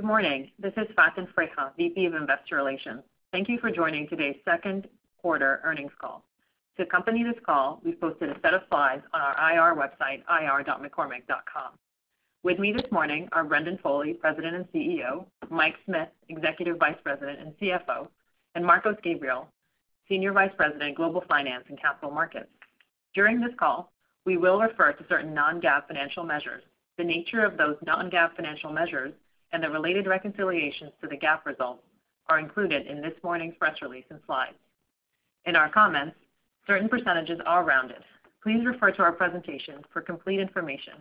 Good morning. This is Faten Freiha, VP of Investor Relations. Thank you for joining today's second quarter earnings call. To accompany this call, we've posted a set of slides on our IR website, ir.mccormick.com. With me this morning are Brendan Foley, President and CEO; Mike Smith, Executive Vice President and CFO; and Marcos Gabriel, Senior Vice President, Global Finance and Capital Markets. During this call, we will refer to certain non-GAAP financial measures. The nature of those non-GAAP financial measures and the related reconciliations to the GAAP results are included in this morning's press release and slides. In our comments, certain percentages are rounded. Please refer to our presentations for complete information.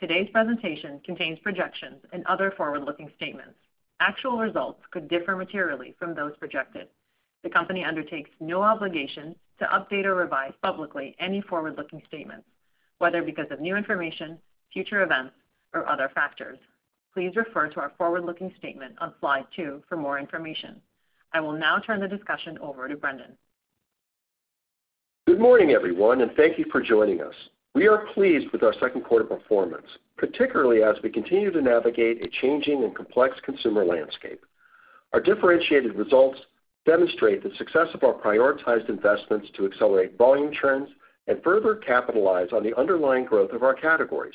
Today's presentation contains projections and other forward-looking statements. Actual results could differ materially from those projected. The company undertakes no obligation to update or revise publicly any forward-looking statements, whether because of new information, future events, or other factors. Please refer to our forward-looking statement on slide two for more information. I will now turn the discussion over to Brendan. Good morning, everyone, and thank you for joining us. We are pleased with our second quarter performance, particularly as we continue to navigate a changing and complex consumer landscape. Our differentiated results demonstrate the success of our prioritized investments to accelerate volume trends and further capitalize on the underlying growth of our categories.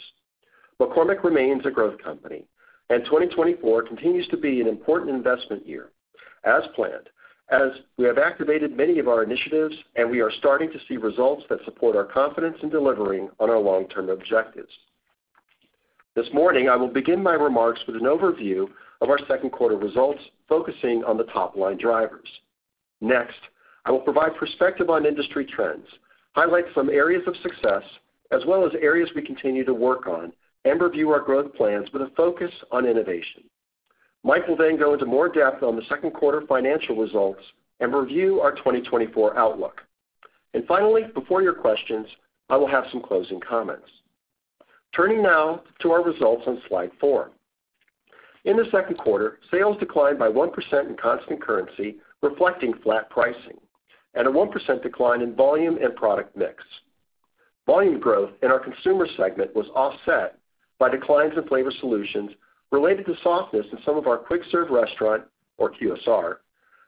McCormick remains a growth company, and 2024 continues to be an important investment year, as planned, as we have activated many of our initiatives and we are starting to see results that support our confidence in delivering on our long-term objectives. This morning, I will begin my remarks with an overview of our second quarter results, focusing on the top line drivers. Next, I will provide perspective on industry trends, highlight some areas of success, as well as areas we continue to work on and review our growth plans with a focus on innovation. Michael will then go into more depth on the second quarter financial results and review our 2024 outlook. Finally, before your questions, I will have some closing comments. Turning now to our results on slide four. In the second quarter, sales declined by 1% in constant currency, reflecting flat pricing, and a 1% decline in volume and product mix. Volume growth in our consumer segment was offset by declines in flavor solutions related to softness in some of our quick-service restaurant, or QSR,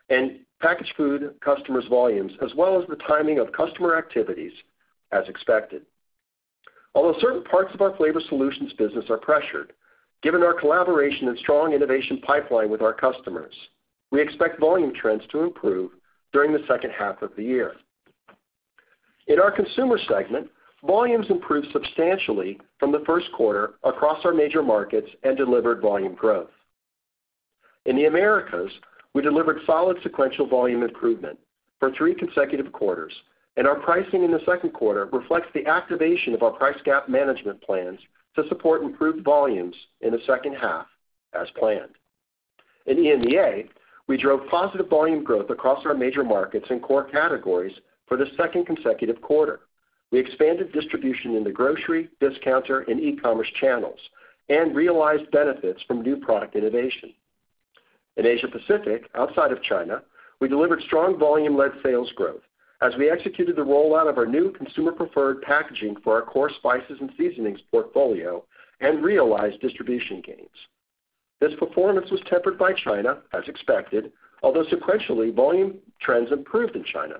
and packaged food customers' volumes, as well as the timing of customer activities, as expected. Although certain parts of our flavor solutions business are pressured, given our collaboration and strong innovation pipeline with our customers, we expect volume trends to improve during the second half of the year. In our consumer segment, volumes improved substantially from the first quarter across our major markets and delivered volume growth. In the Americas, we delivered solid sequential volume improvement for three consecutive quarters, and our pricing in the second quarter reflects the activation of our price gap management plans to support improved volumes in the second half, as planned. In EMEA, we drove positive volume growth across our major markets and core categories for the second consecutive quarter. We expanded distribution in the grocery, discounter, and e-commerce channels and realized benefits from new product innovation. In Asia Pacific, outside of China, we delivered strong volume-led sales growth as we executed the rollout of our new consumer-preferred packaging for our core spices and seasonings portfolio and realized distribution gains. This performance was tempered by China, as expected, although sequentially, volume trends improved in China.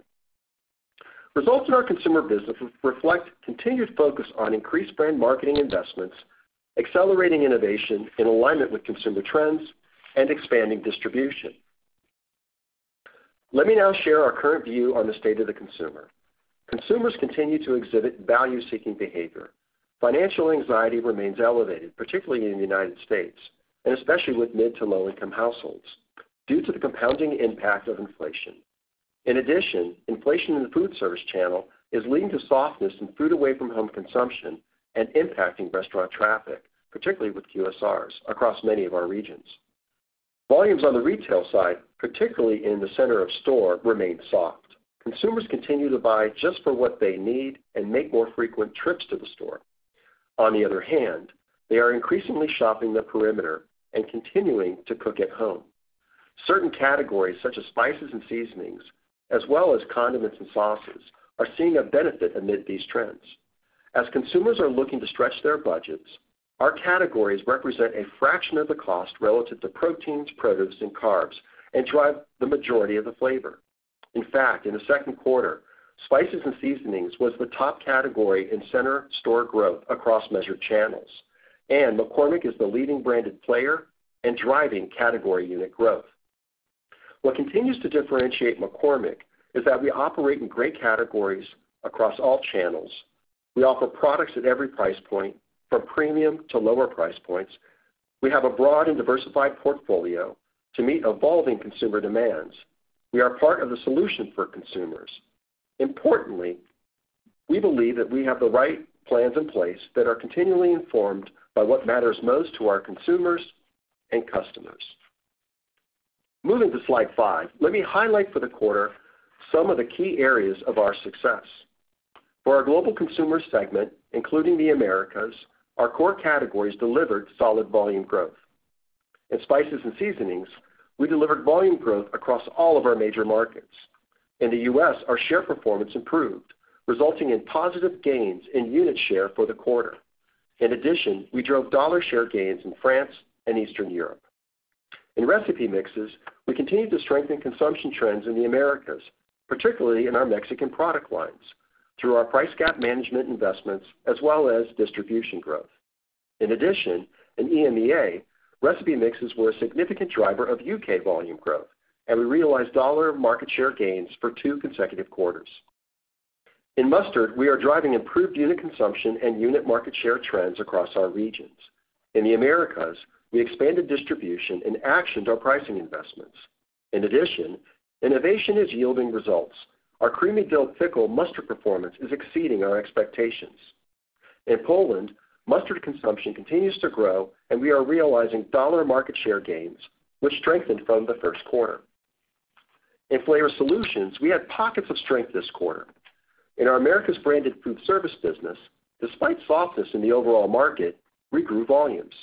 Results in our consumer business reflect continued focus on increased brand marketing investments, accelerating innovation in alignment with consumer trends, and expanding distribution. Let me now share our current view on the state of the consumer. Consumers continue to exhibit value-seeking behavior. Financial anxiety remains elevated, particularly in the United States, and especially with mid- to low-income households, due to the compounding impact of inflation. In addition, inflation in the foodservice channel is leading to softness in food away-from-home consumption and impacting restaurant traffic, particularly with QSRs, across many of our regions. Volumes on the retail side, particularly in the center of store, remain soft. Consumers continue to buy just for what they need and make more frequent trips to the store. On the other hand, they are increasingly shopping the perimeter and continuing to cook at home. Certain categories, such as spices and seasonings, as well as condiments and sauces, are seeing a benefit amid these trends. As consumers are looking to stretch their budgets, our categories represent a fraction of the cost relative to proteins, produce, and carbs, and drive the majority of the flavor. In fact, in the second quarter, spices and seasonings was the top category in center store growth across measured channels, and McCormick is the leading branded player and driving category unit growth. What continues to differentiate McCormick is that we operate in great categories across all channels. We offer products at every price point, from premium to lower price points. We have a broad and diversified portfolio to meet evolving consumer demands. We are part of the solution for consumers. Importantly, we believe that we have the right plans in place that are continually informed by what matters most to our consumers and customers. Moving to slide 5, let me highlight for the quarter some of the key areas of our success. For our global consumer segment, including the Americas, our core categories delivered solid volume growth. In spices and seasonings, we delivered volume growth across all of our major markets. In the U.S., our share performance improved, resulting in positive gains in unit share for the quarter. In addition, we drove dollar share gains in France and Eastern Europe. In recipe mixes, we continue to strengthen consumption trends in the Americas, particularly in our Mexican product lines, through our price gap management investments, as well as distribution growth. In addition, in EMEA, recipe mixes were a significant driver of UK volume growth, and we realized dollar market share gains for two consecutive quarters. In mustard, we are driving improved unit consumption and unit market share trends across our regions. In the Americas, we expanded distribution and actioned our pricing investments. In addition, innovation is yielding results. Our creamy dill pickle mustard performance is exceeding our expectations. In Poland, mustard consumption continues to grow, and we are realizing dollar market share gains, which strengthened from the first quarter. In flavor solutions, we had pockets of strength this quarter. In our Americas branded food service business, despite softness in the overall market, we grew volumes.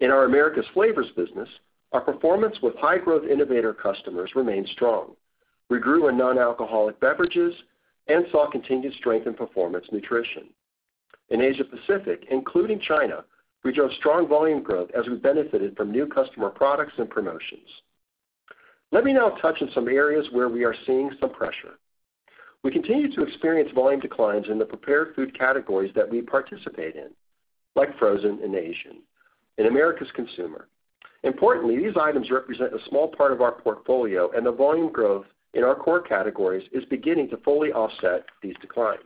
In our Americas flavors business, our performance with high-growth innovator customers remained strong. We grew in non-alcoholic beverages and saw continued strength in performance nutrition. In Asia Pacific, including China, we drove strong volume growth as we benefited from new customer products and promotions. Let me now touch on some areas where we are seeing some pressure. We continue to experience volume declines in the prepared food categories that we participate in, like frozen and Asian. In Americas consumer, importantly, these items represent a small part of our portfolio, and the volume growth in our core categories is beginning to fully offset these declines.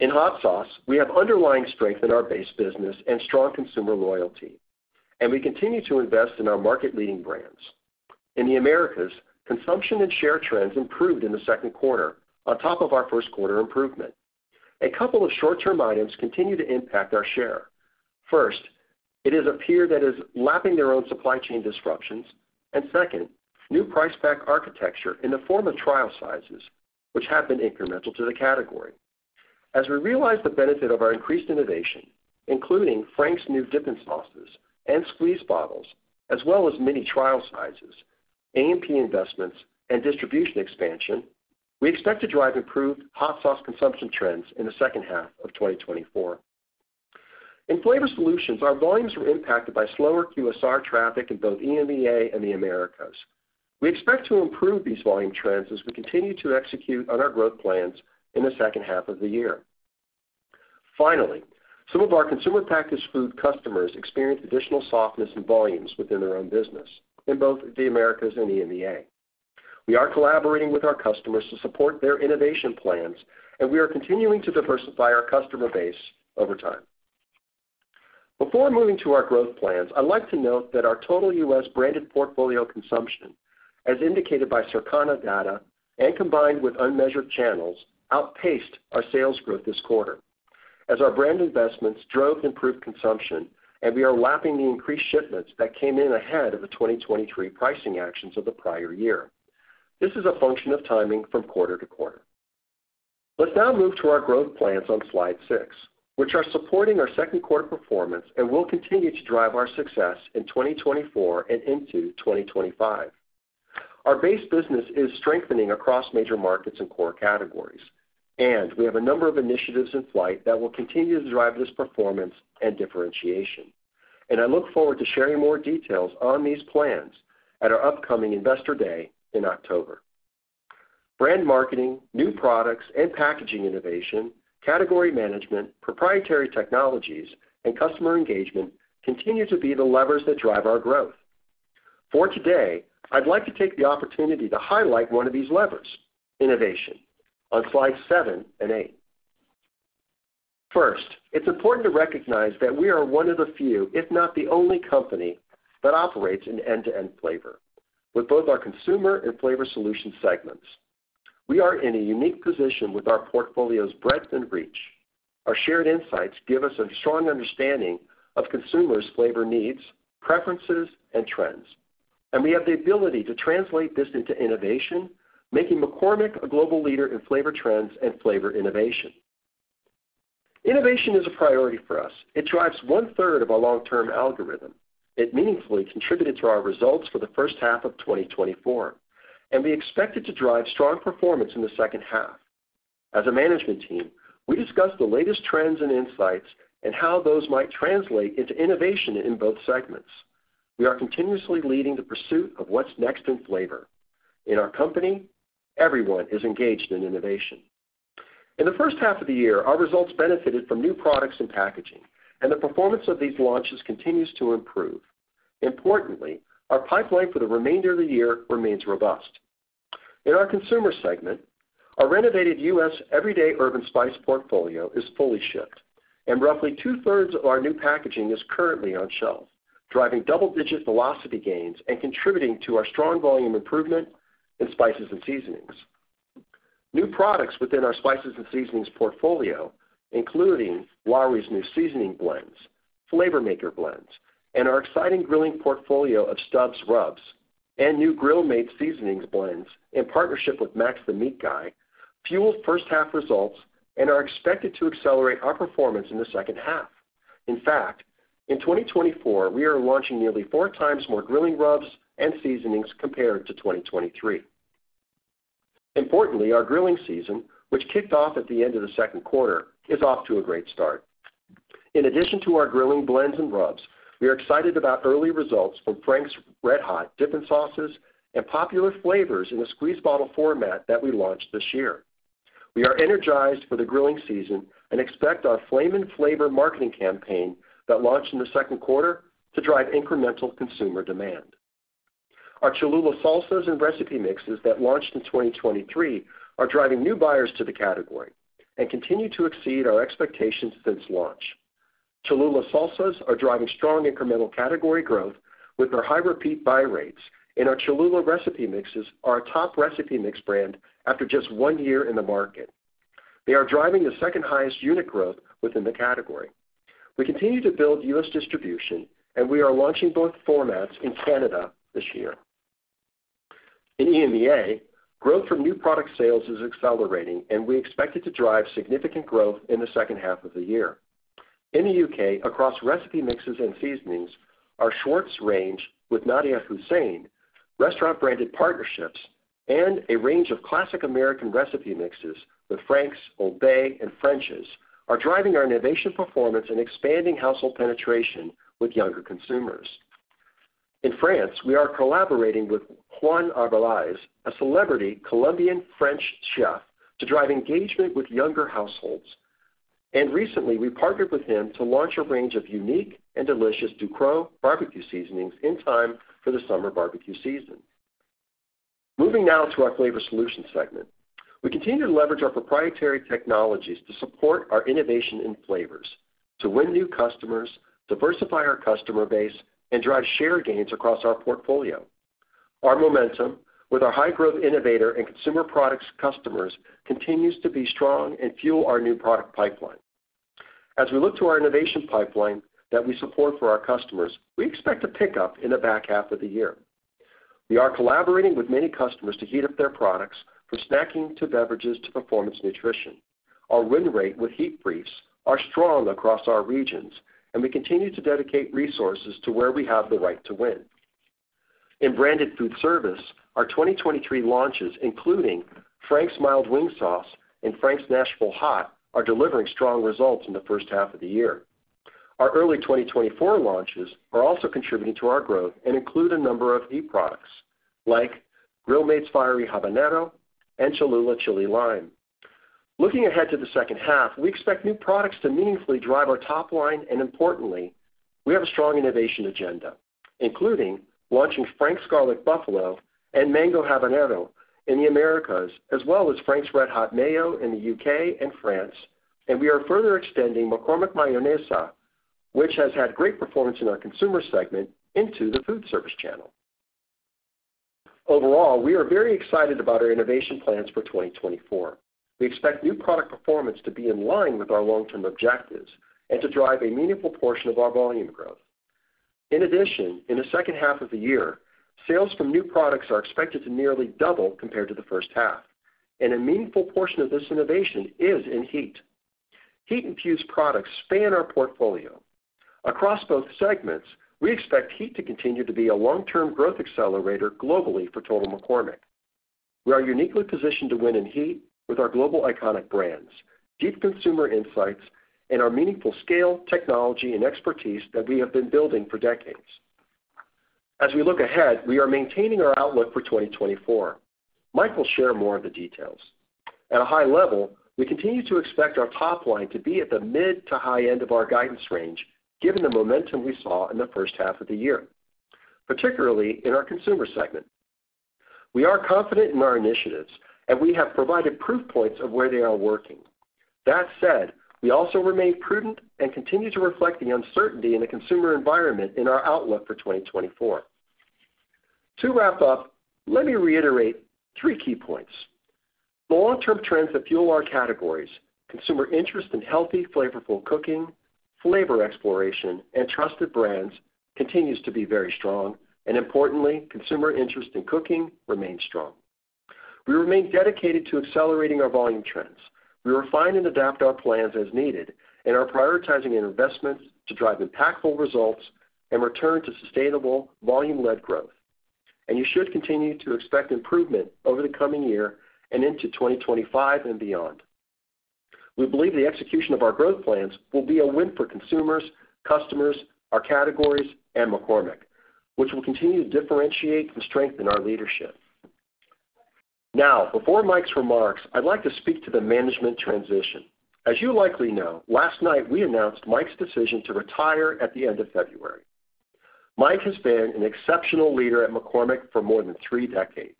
In hot sauce, we have underlying strength in our base business and strong consumer loyalty, and we continue to invest in our market-leading brands. In the Americas, consumption and share trends improved in the second quarter on top of our first quarter improvement. A couple of short-term items continue to impact our share. First, it is a peer that is lapping their own supply chain disruptions, and second, new price pack architecture in the form of trial sizes, which have been incremental to the category. As we realize the benefit of our increased innovation, including Frank’s new dip and sauces and squeeze bottles, as well as mini trial sizes, A&P investments, and distribution expansion, we expect to drive improved hot sauce consumption trends in the second half of 2024. In flavor solutions, our volumes were impacted by slower QSR traffic in both EMEA and the Americas. We expect to improve these volume trends as we continue to execute on our growth plans in the second half of the year. Finally, some of our consumer-packaged food customers experienced additional softness in volumes within their own business in both the Americas and EMEA. We are collaborating with our customers to support their innovation plans, and we are continuing to diversify our customer base over time. Before moving to our growth plans, I'd like to note that our total U.S. branded portfolio consumption, as indicated by Circana data and combined with unmeasured channels, outpaced our sales growth this quarter, as our brand investments drove improved consumption, and we are lapping the increased shipments that came in ahead of the 2023 pricing actions of the prior year. This is a function of timing from quarter to quarter. Let's now move to our growth plans on slide six, which are supporting our second quarter performance and will continue to drive our success in 2024 and into 2025. Our base business is strengthening across major markets and core categories, and we have a number of initiatives in flight that will continue to drive this performance and differentiation. I look forward to sharing more details on these plans at our upcoming Investor Day in October. Brand marketing, new products, and packaging innovation, category management, proprietary technologies, and customer engagement continue to be the levers that drive our growth. For today, I'd like to take the opportunity to highlight one of these levers: innovation, on slides 7 and 8. First, it's important to recognize that we are one of the few, if not the only company that operates in end-to-end flavor, with both our consumer and flavor solution segments. We are in a unique position with our portfolio's breadth and reach. Our shared insights give us a strong understanding of consumers' flavor needs, preferences, and trends, and we have the ability to translate this into innovation, making McCormick a global leader in flavor trends and flavor innovation. Innovation is a priority for us. It drives one-third of our long-term algorithm. It meaningfully contributed to our results for the first half of 2024, and we expect it to drive strong performance in the second half. As a management team, we discuss the latest trends and insights and how those might translate into innovation in both segments. We are continuously leading the pursuit of what's next in flavor. In our company, everyone is engaged in innovation. In the first half of the year, our results benefited from new products and packaging, and the performance of these launches continues to improve. Importantly, our pipeline for the remainder of the year remains robust. In our consumer segment, our renovated U.S. everyday urban spice portfolio is fully shipped, and roughly two-thirds of our new packaging is currently on shelf, driving double-digit velocity gains and contributing to our strong volume improvement in spices and seasonings. New products within our spices and seasonings portfolio, including Lawry’s new seasoning blends, Flavor Maker blends, and our exciting grilling portfolio of Stubb’s rubs, and new grill-made seasonings blends in partnership with Max The Meat Guy, fueled first-half results and are expected to accelerate our performance in the second half. In fact, in 2024, we are launching nearly four times more grilling rubs and seasonings compared to 2023. Importantly, our grilling season, which kicked off at the end of the second quarter, is off to a great start. In addition to our grilling blends and rubs, we are excited about early results from Frank’s RedHot Dip & Sauces and popular flavors in the squeeze bottle format that we launched this year. We are energized for the grilling season and expect our Flamin' Flavor marketing campaign that launched in the second quarter to drive incremental consumer demand. Our Cholula Salsas and Recipe Mixes that launched in 2023 are driving new buyers to the category and continue to exceed our expectations since launch. Cholula Salsas are driving strong incremental category growth with their high repeat buy rates, and our Cholula Recipe Mixes are a top recipe mix brand after just one year in the market. They are driving the second highest unit growth within the category. We continue to build U.S. distribution, and we are launching both formats in Canada this year. In EMEA, growth from new product sales is accelerating, and we expect it to drive significant growth in the second half of the year. In the U.K., across recipe mixes and seasonings, our Schwartz range with Nadiya Hussain, restaurant-branded partnerships, and a range of classic American recipe mixes with Frank's, Old Bay, and French's are driving our innovation performance and expanding household penetration with younger consumers. In France, we are collaborating with Juan Arbelaez, a celebrity Colombian-French chef, to drive engagement with younger households. Recently, we partnered with him to launch a range of unique and delicious Ducros barbecue seasonings in time for the summer barbecue season. Moving now to our flavor solutions segment, we continue to leverage our proprietary technologies to support our innovation in flavors, to win new customers, diversify our customer base, and drive share gains across our portfolio. Our momentum with our high-growth innovator and consumer products customers continues to be strong and fuel our new product pipeline. As we look to our innovation pipeline that we support for our customers, we expect a pickup in the back half of the year. We are collaborating with many customers to heat up their products from snacking to beverages to performance nutrition. Our win rate with heat briefs is strong across our regions, and we continue to dedicate resources to where we have the right to win. In branded food service, our 2023 launches, including Frank’s Mild Wing Sauce and Frank’s Nashville Hot, are delivering strong results in the first half of the year. Our early 2024 launches are also contributing to our growth and include a number of new products like Grill Mates Fiery Habanero and Cholula Chili Lime. Looking ahead to the second half, we expect new products to meaningfully drive our top line, and importantly, we have a strong innovation agenda, including launching Frank’s Garlic Buffalo and Mango Habanero in the Americas, as well as Frank’s RedHot Mayo in the UK and France, and we are further extending McCormick Mayonesa, which has had great performance in our consumer segment, into the food service channel. Overall, we are very excited about our innovation plans for 2024. We expect new product performance to be in line with our long-term objectives and to drive a meaningful portion of our volume growth. In addition, in the second half of the year, sales from new products are expected to nearly double compared to the first half, and a meaningful portion of this innovation is in heat. Heat-infused products span our portfolio. Across both segments, we expect heat to continue to be a long-term growth accelerator globally for Total McCormick. We are uniquely positioned to win in heat with our global iconic brands, deep consumer insights, and our meaningful scale, technology, and expertise that we have been building for decades. As we look ahead, we are maintaining our outlook for 2024. Mike will share more of the details. At a high level, we continue to expect our top line to be at the mid to high end of our guidance range, given the momentum we saw in the first half of the year, particularly in our consumer segment. We are confident in our initiatives, and we have provided proof points of where they are working. That said, we also remain prudent and continue to reflect the uncertainty in the consumer environment in our outlook for 2024. To wrap up, let me reiterate three key points. The long-term trends that fuel our categories, consumer interest in healthy, flavorful cooking, flavor exploration, and trusted brands continues to be very strong, and importantly, consumer interest in cooking remains strong. We remain dedicated to accelerating our volume trends. We refine and adapt our plans as needed and are prioritizing investments to drive impactful results and return to sustainable volume-led growth. You should continue to expect improvement over the coming year and into 2025 and beyond. We believe the execution of our growth plans will be a win for consumers, customers, our categories, and McCormick, which will continue to differentiate and strengthen our leadership. Now, before Mike's remarks, I'd like to speak to the management transition. As you likely know, last night we announced Mike's decision to retire at the end of February. Mike has been an exceptional leader at McCormick for more than three decades.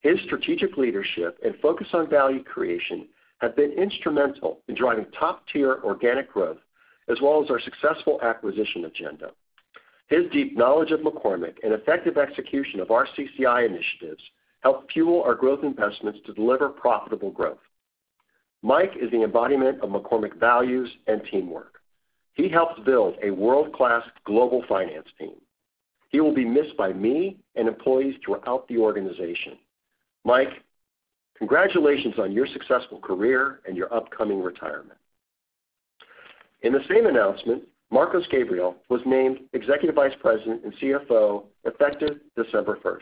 His strategic leadership and focus on value creation have been instrumental in driving top-tier organic growth, as well as our successful acquisition agenda. His deep knowledge of McCormick and effective execution of our CCI initiatives help fuel our growth investments to deliver profitable growth. Mike is the embodiment of McCormick values and teamwork. He helped build a world-class global finance team. He will be missed by me and employees throughout the organization. Mike, congratulations on your successful career and your upcoming retirement. In the same announcement, Marcos Gabriel was named Executive Vice President and CFO effective December 1st.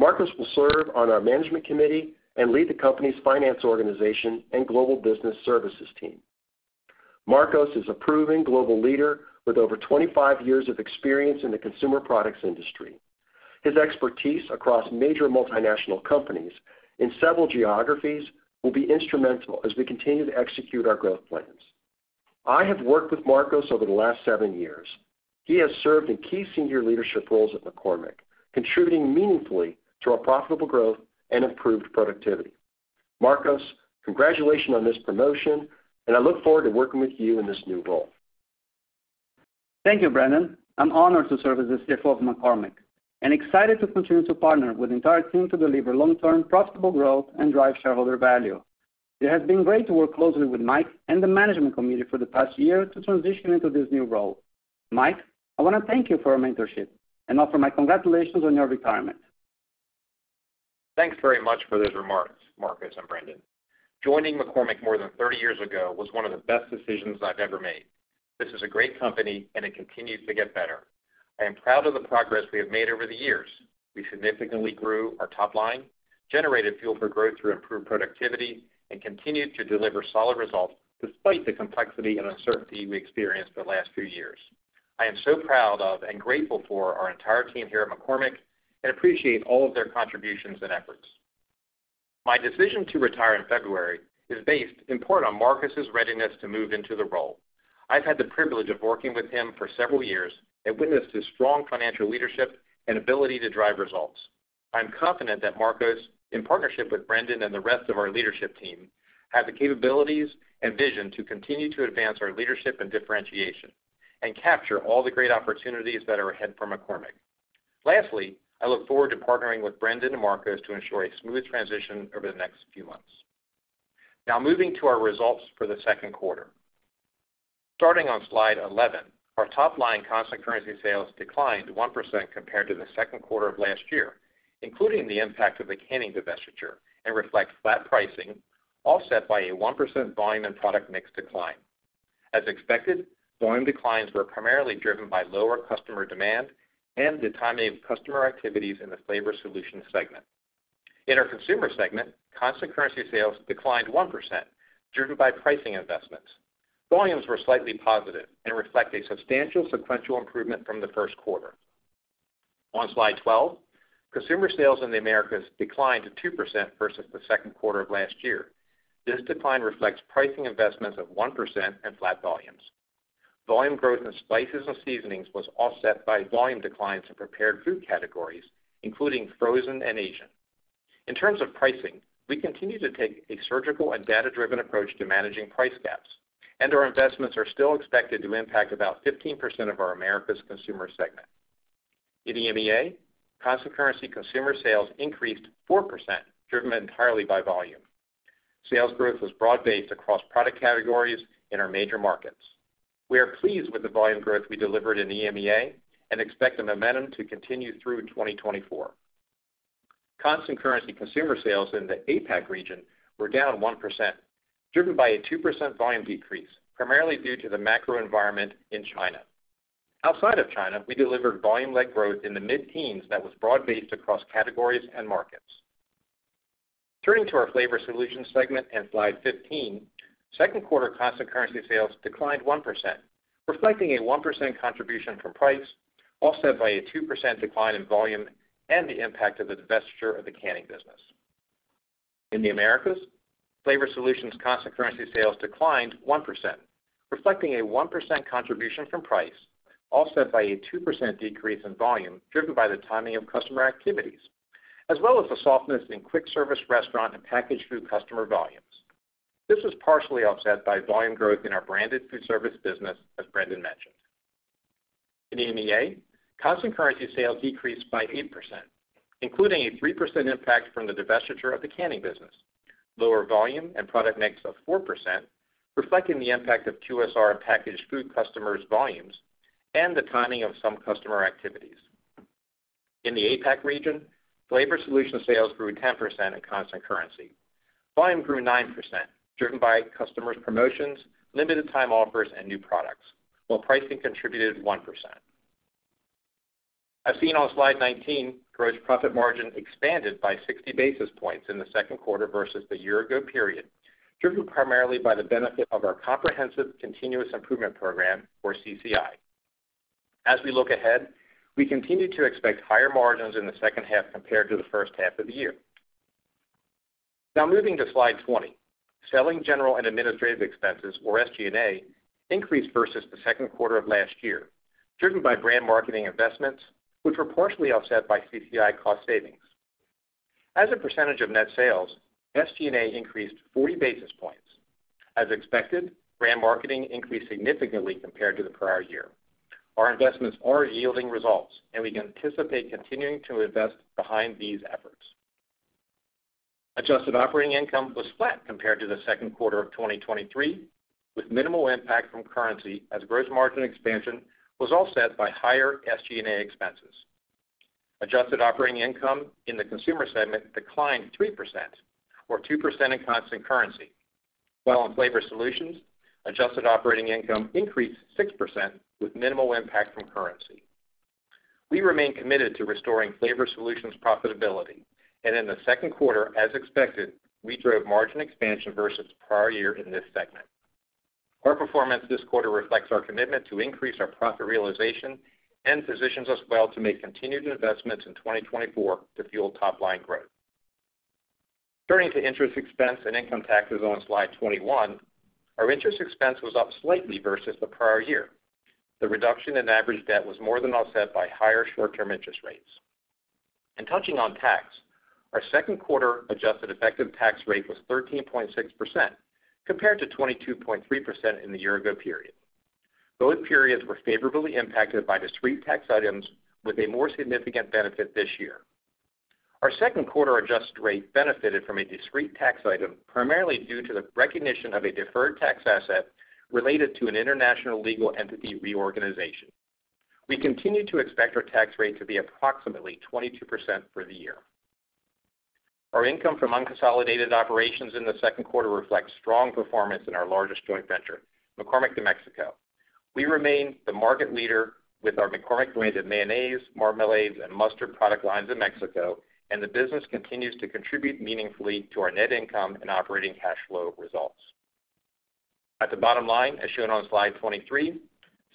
Marcos will serve on our management committee and lead the company's finance organization and global business services team. Marcos is a proven global leader with over 25 years of experience in the consumer products industry. His expertise across major multinational companies in several geographies will be instrumental as we continue to execute our growth plans. I have worked with Marcos over the last 7 years. He has served in key senior leadership roles at McCormick, contributing meaningfully to our profitable growth and improved productivity. Marcos, congratulations on this promotion, and I look forward to working with you in this new role. Thank you, Brendan. I'm honored to serve as the CFO of McCormick and excited to continue to partner with the entire team to deliver long-term profitable growth and drive shareholder value. It has been great to work closely with Mike and the management committee for the past year to transition into this new role. Mike, I want to thank you for your mentorship and offer my congratulations on your retirement. Thanks very much for those remarks, Marcos and Brendan. Joining McCormick more than 30 years ago was one of the best decisions I've ever made. This is a great company, and it continues to get better. I am proud of the progress we have made over the years. We significantly grew our top line, generated fuel for growth through improved productivity, and continued to deliver solid results despite the complexity and uncertainty we experienced the last few years. I am so proud of and grateful for our entire team here at McCormick and appreciate all of their contributions and efforts. My decision to retire in February is based in part on Marcos's readiness to move into the role. I've had the privilege of working with him for several years and witnessed his strong financial leadership and ability to drive results. I'm confident that Marcos, in partnership with Brendan and the rest of our leadership team, has the capabilities and vision to continue to advance our leadership and differentiation and capture all the great opportunities that are ahead for McCormick. Lastly, I look forward to partnering with Brendan and Marcos to ensure a smooth transition over the next few months. Now, moving to our results for the second quarter. Starting on slide 11, our top line constant currency sales declined 1% compared to the second quarter of last year, including the impact of the canning divestiture and reflect flat pricing, offset by a 1% volume and product mix decline. As expected, volume declines were primarily driven by lower customer demand and the timing of customer activities in the flavor solutions segment. In our consumer segment, constant currency sales declined 1%, driven by pricing investments. Volumes were slightly positive and reflect a substantial sequential improvement from the first quarter. On slide 12, consumer sales in the Americas declined 2% versus the second quarter of last year. This decline reflects pricing investments of 1% and flat volumes. Volume growth in spices and seasonings was offset by volume declines in prepared food categories, including frozen and Asian. In terms of pricing, we continue to take a surgical and data-driven approach to managing price gaps, and our investments are still expected to impact about 15% of our Americas consumer segment. In EMEA, constant currency consumer sales increased 4%, driven entirely by volume. Sales growth was broad-based across product categories in our major markets. We are pleased with the volume growth we delivered in EMEA and expect the momentum to continue through 2024. Constant currency consumer sales in the APAC region were down 1%, driven by a 2% volume decrease, primarily due to the macro environment in China. Outside of China, we delivered volume-led growth in the mid-teens that was broad-based across categories and markets. Turning to our Flavor Solutions segment and slide 15, second quarter constant currency sales declined 1%, reflecting a 1% contribution from price, offset by a 2% decline in volume and the impact of the divestiture of the canning business. In the Americas, Flavor Solutions' constant currency sales declined 1%, reflecting a 1% contribution from price, offset by a 2% decrease in volume driven by the timing of customer activities, as well as the softness in quick-service restaurant and packaged food customer volumes. This was partially offset by volume growth in our branded foodservice business, as Brendan mentioned. In EMEA, constant currency sales decreased by 8%, including a 3% impact from the divestiture of the canning business, lower volume and product mix of 4%, reflecting the impact of QSR and packaged food customers' volumes and the timing of some customer activities. In the APAC region, flavor solutions sales grew 10% in constant currency. Volume grew 9%, driven by customers' promotions, limited-time offers, and new products, while pricing contributed 1%. As seen on slide 19, gross profit margin expanded by 60 basis points in the second quarter versus the year-ago period, driven primarily by the benefit of our Comprehensive Continuous Improvement program, or CCI. As we look ahead, we continue to expect higher margins in the second half compared to the first half of the year. Now, moving to slide 20, Selling, general and administrative expenses, or SG&A, increased versus the second quarter of last year, driven by brand marketing investments, which were partially offset by CCI cost savings. As a percentage of net sales, SG&A increased 40 basis points. As expected, brand marketing increased significantly compared to the prior year. Our investments are yielding results, and we can anticipate continuing to invest behind these efforts. Adjusted operating income was flat compared to the second quarter of 2023, with minimal impact from currency as gross margin expansion was offset by higher SG&A expenses. Adjusted operating income in the consumer segment declined 3%, or 2% in constant currency, while in flavor solutions, adjusted operating income increased 6% with minimal impact from currency. We remain committed to restoring flavor solutions' profitability, and in the second quarter, as expected, we drove margin expansion versus the prior year in this segment. Our performance this quarter reflects our commitment to increase our profit realization and positions us well to make continued investments in 2024 to fuel top-line growth. Turning to interest expense and income taxes on slide 21, our interest expense was up slightly versus the prior year. The reduction in average debt was more than offset by higher short-term interest rates. And touching on tax, our second quarter adjusted effective tax rate was 13.6% compared to 22.3% in the year-ago period. Both periods were favorably impacted by discrete tax items, with a more significant benefit this year. Our second quarter adjusted rate benefited from a discrete tax item, primarily due to the recognition of a deferred tax asset related to an international legal entity reorganization. We continue to expect our tax rate to be approximately 22% for the year. Our income from unconsolidated operations in the second quarter reflects strong performance in our largest joint venture, McCormick de México. We remain the market leader with our McCormick-branded mayonnaise, marmalades, and mustard product lines in Mexico, and the business continues to contribute meaningfully to our net income and operating cash flow results. At the bottom line, as shown on slide 23,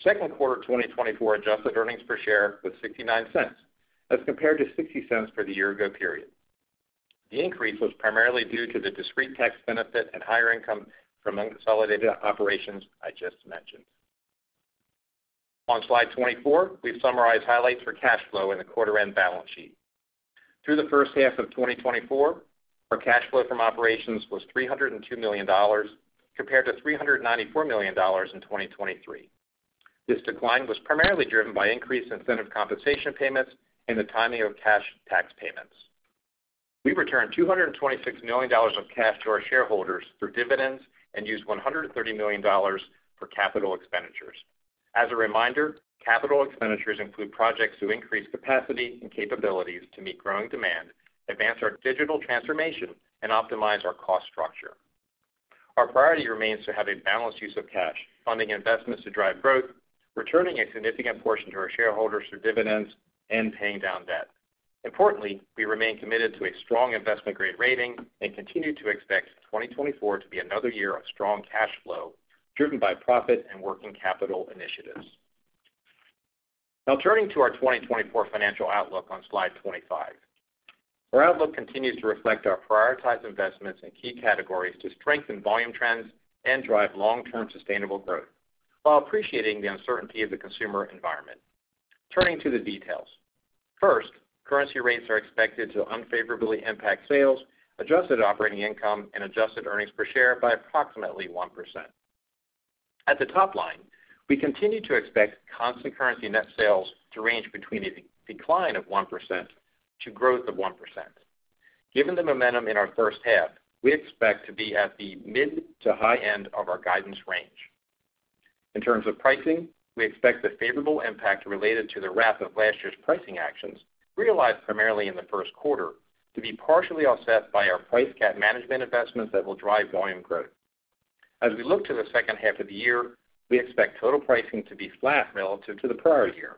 second quarter 2024 adjusted earnings per share was $0.69 as compared to $0.60 for the year-ago period. The increase was primarily due to the discrete tax benefit and higher income from unconsolidated operations I just mentioned. On slide 24, we've summarized highlights for cash flow in the quarter-end balance sheet. Through the first half of 2024, our cash flow from operations was $302 million compared to $394 million in 2023. This decline was primarily driven by increased incentive compensation payments and the timing of cash tax payments. We returned $226 million of cash to our shareholders through dividends and used $130 million for capital expenditures. As a reminder, capital expenditures include projects to increase capacity and capabilities to meet growing demand, advance our digital transformation, and optimize our cost structure. Our priority remains to have a balanced use of cash, funding investments to drive growth, returning a significant portion to our shareholders through dividends and paying down debt. Importantly, we remain committed to a strong investment-grade rating and continue to expect 2024 to be another year of strong cash flow, driven by profit and working capital initiatives. Now, turning to our 2024 financial outlook on slide 25. Our outlook continues to reflect our prioritized investments in key categories to strengthen volume trends and drive long-term sustainable growth, while appreciating the uncertainty of the consumer environment. Turning to the details. First, currency rates are expected to unfavorably impact sales, Adjusted operating income, and Adjusted earnings per share by approximately 1%. At the top line, we continue to expect Constant currency net sales to range between a decline of 1% to growth of 1%. Given the momentum in our first half, we expect to be at the mid to high end of our guidance range. In terms of pricing, we expect the favorable impact related to the wrap of last year's pricing actions, realized primarily in the first quarter, to be partially offset by our price gap management investments that will drive volume growth. As we look to the second half of the year, we expect total pricing to be flat relative to the prior year,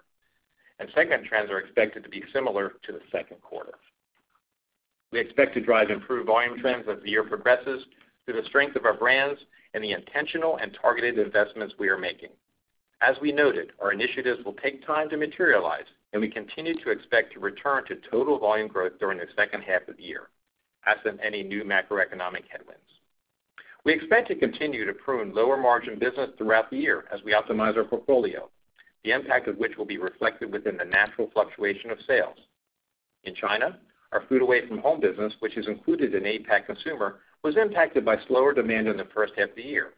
and segment trends are expected to be similar to the second quarter. We expect to drive improved volume trends as the year progresses through the strength of our brands and the intentional and targeted investments we are making. As we noted, our initiatives will take time to materialize, and we continue to expect to return to total volume growth during the second half of the year, absent any new macroeconomic headwinds. We expect to continue to prune lower margin business throughout the year as we optimize our portfolio, the impact of which will be reflected within the natural fluctuation of sales. In China, our food-away-from-home business, which is included in APAC consumer, was impacted by slower demand in the first half of the year,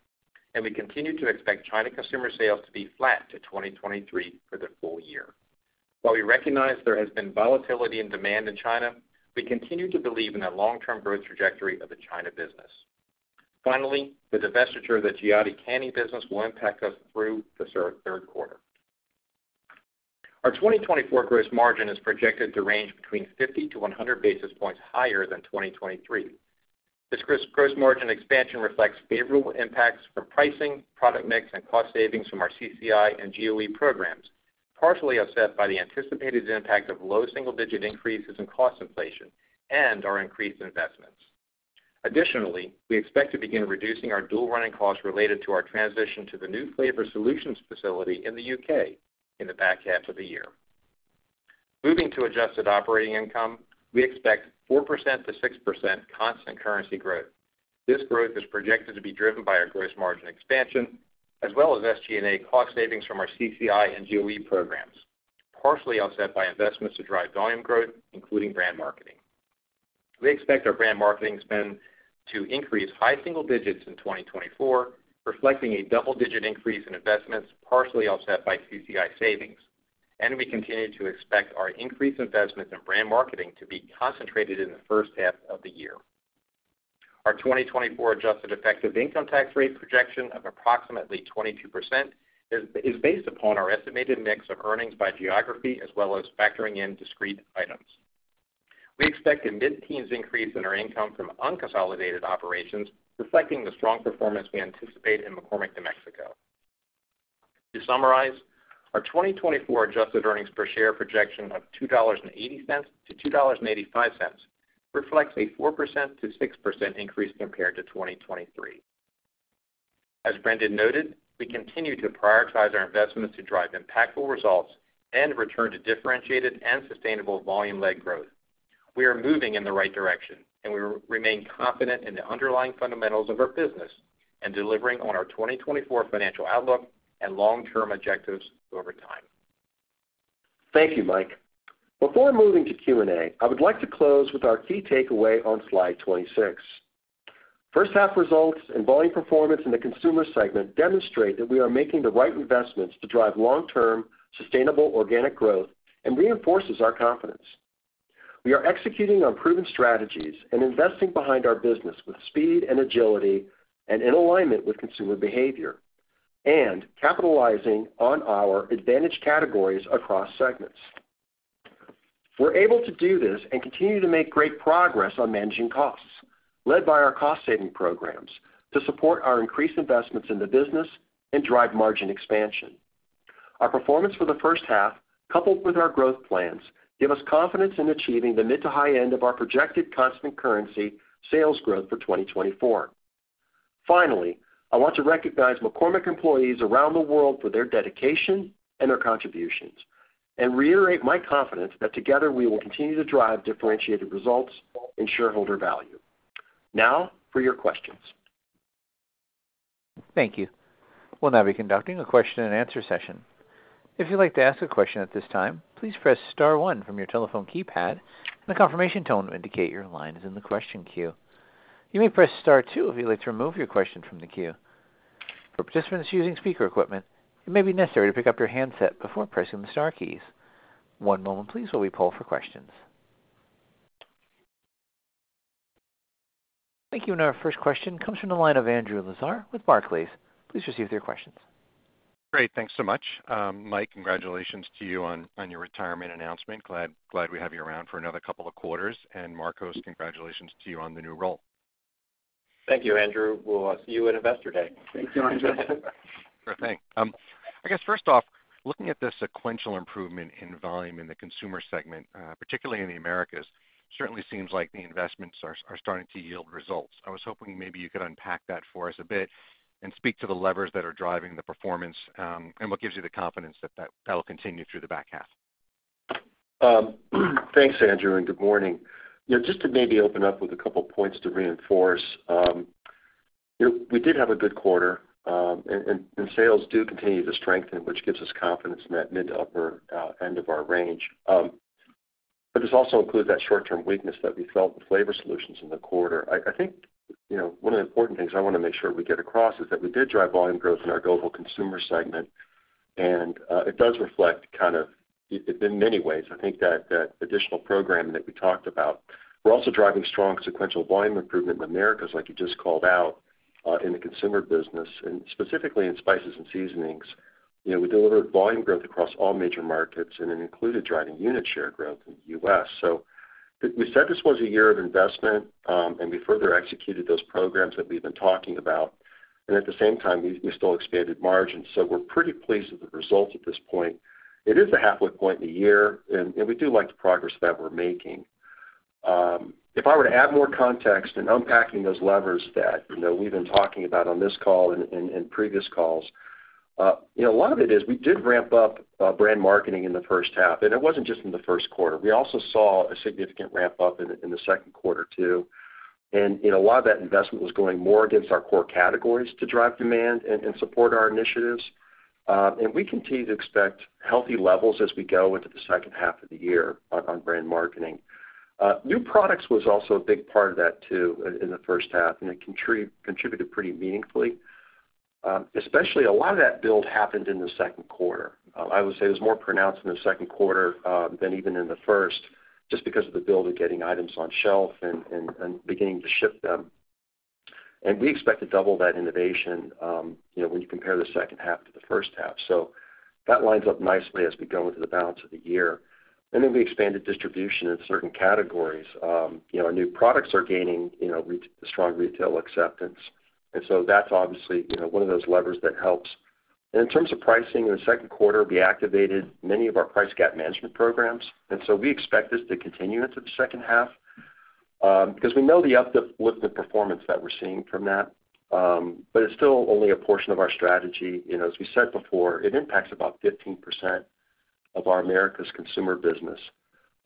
and we continue to expect China consumer sales to be flat to 2023 for the full year. While we recognize there has been volatility in demand in China, we continue to believe in the long-term growth trajectory of the China business. Finally, the divestiture of the Giotti canning business will impact us through the third quarter. Our 2024 gross margin is projected to range between 50-100 basis points higher than 2023. This gross margin expansion reflects favorable impacts from pricing, product mix, and cost savings from our CCI and GOE programs, partially offset by the anticipated impact of low single-digit increases in cost inflation and our increased investments. Additionally, we expect to begin reducing our dual-running costs related to our transition to the new flavor solutions facility in the UK in the back half of the year. Moving to adjusted operating income, we expect 4%-6 constant currency growth. This growth is projected to be driven by our gross margin expansion, as well as SG&A cost savings from our CCI and GOE programs, partially offset by investments to drive volume growth, including brand marketing. We expect our brand marketing spend to increase high single digits in 2024, reflecting a double-digit increase in investments, partially offset by CCI savings, and we continue to expect our increased investments in brand marketing to be concentrated in the first half of the year. Our 2024 adjusted effective tax rate projection of approximately 22% is based upon our estimated mix of earnings by geography, as well as factoring in discrete items. We expect a mid-teens increase in our income from unconsolidated operations, reflecting the strong performance we anticipate in McCormick de México. To summarize, our 2024 adjusted earnings per share projection of $2.80-2.85 reflects a 4%-6 increase compared to 2023. As Brendan noted, we continue to prioritize our investments to drive impactful results and return to differentiated and sustainable volume-led growth. We are moving in the right direction, and we remain confident in the underlying fundamentals of our business and delivering on our 2024 financial outlook and long-term objectives over time. Thank you, Mike. Before moving to Q&A, I would like to close with our key takeaway on slide 26. First-half results and volume performance in the Consumer segment demonstrate that we are making the right investments to drive long-term sustainable organic growth and reinforces our confidence. We are executing on proven strategies and investing behind our business with speed and agility and in alignment with consumer behavior and capitalizing on our advantage categories across segments. We're able to do this and continue to make great progress on managing costs, led by our cost-saving programs, to support our increased investments in the business and drive margin expansion. Our performance for the first half, coupled with our growth plans, gives us confidence in achieving the mid to high end of our projected constant currency sales growth for 2024. Finally, I want to recognize McCormick employees around the world for their dedication and their contributions and reiterate my confidence that together we will continue to drive differentiated results and shareholder value. Now, for your questions. Thank you. We'll now be conducting a question-and-answer session. If you'd like to ask a question at this time, please press Star 1 from your telephone keypad, and a confirmation tone will indicate your line is in the question queue. You may press Star 2 if you'd like to remove your question from the queue. For participants using speaker equipment, it may be necessary to pick up your handset before pressing the Star keys. One moment, please, while we poll for questions. Thank you. Our first question comes from the line of Andrew Lazar with Barclays. Please proceed with your questions. Great. Thanks so much. Mike, congratulations to you on your retirement announcement. Glad we have you around for another couple of quarters. And Marcos, congratulations to you on the new role. Thank you, Andrew. We'll see you at Investor Day. Thank you, Andrew. Sure thing. I guess, first off, looking at the sequential improvement in volume in the consumer segment, particularly in the Americas, certainly seems like the investments are starting to yield results. I was hoping maybe you could unpack that for us a bit and speak to the levers that are driving the performance and what gives you the confidence that that will continue through the back half. Thanks, Andrew. And good morning. Just to maybe open up with a couple of points to reinforce, we did have a good quarter, and sales do continue to strengthen, which gives us confidence in that mid to upper end of our range. But this also includes that short-term weakness that we felt with flavor solutions in the quarter. I think one of the important things I want to make sure we get across is that we did drive volume growth in our global consumer segment, and it does reflect kind of in many ways. I think that additional programming that we talked about, we're also driving strong sequential volume improvement in the Americas, like you just called out, in the consumer business, and specifically in spices and seasonings. We delivered volume growth across all major markets, and it included driving unit share growth in the U.S. So we said this was a year of investment, and we further executed those programs that we've been talking about. And at the same time, we still expanded margins. So we're pretty pleased with the results at this point. It is a halfway point in the year, and we do like the progress that we're making. If I were to add more context in unpacking those levers that we've been talking about on this call and previous calls, a lot of it is we did ramp up brand marketing in the first half, and it wasn't just in the first quarter. We also saw a significant ramp up in the second quarter too. And a lot of that investment was going more against our core categories to drive demand and support our initiatives. We continue to expect healthy levels as we go into the second half of the year on brand marketing. New products was also a big part of that too in the first half, and it contributed pretty meaningfully. Especially a lot of that build happened in the second quarter. I would say it was more pronounced in the second quarter than even in the first, just because of the build of getting items on shelf and beginning to ship them. We expect to double that innovation when you compare the second half to the first half. That lines up nicely as we go into the balance of the year. We expanded distribution in certain categories. Our new products are gaining strong retail acceptance. That's obviously one of those levers that helps. In terms of pricing, in the second quarter, we activated many of our price gap management programs. So we expect this to continue into the second half because we know the uplift in performance that we're seeing from that, but it's still only a portion of our strategy. As we said before, it impacts about 15% of our Americas consumer business,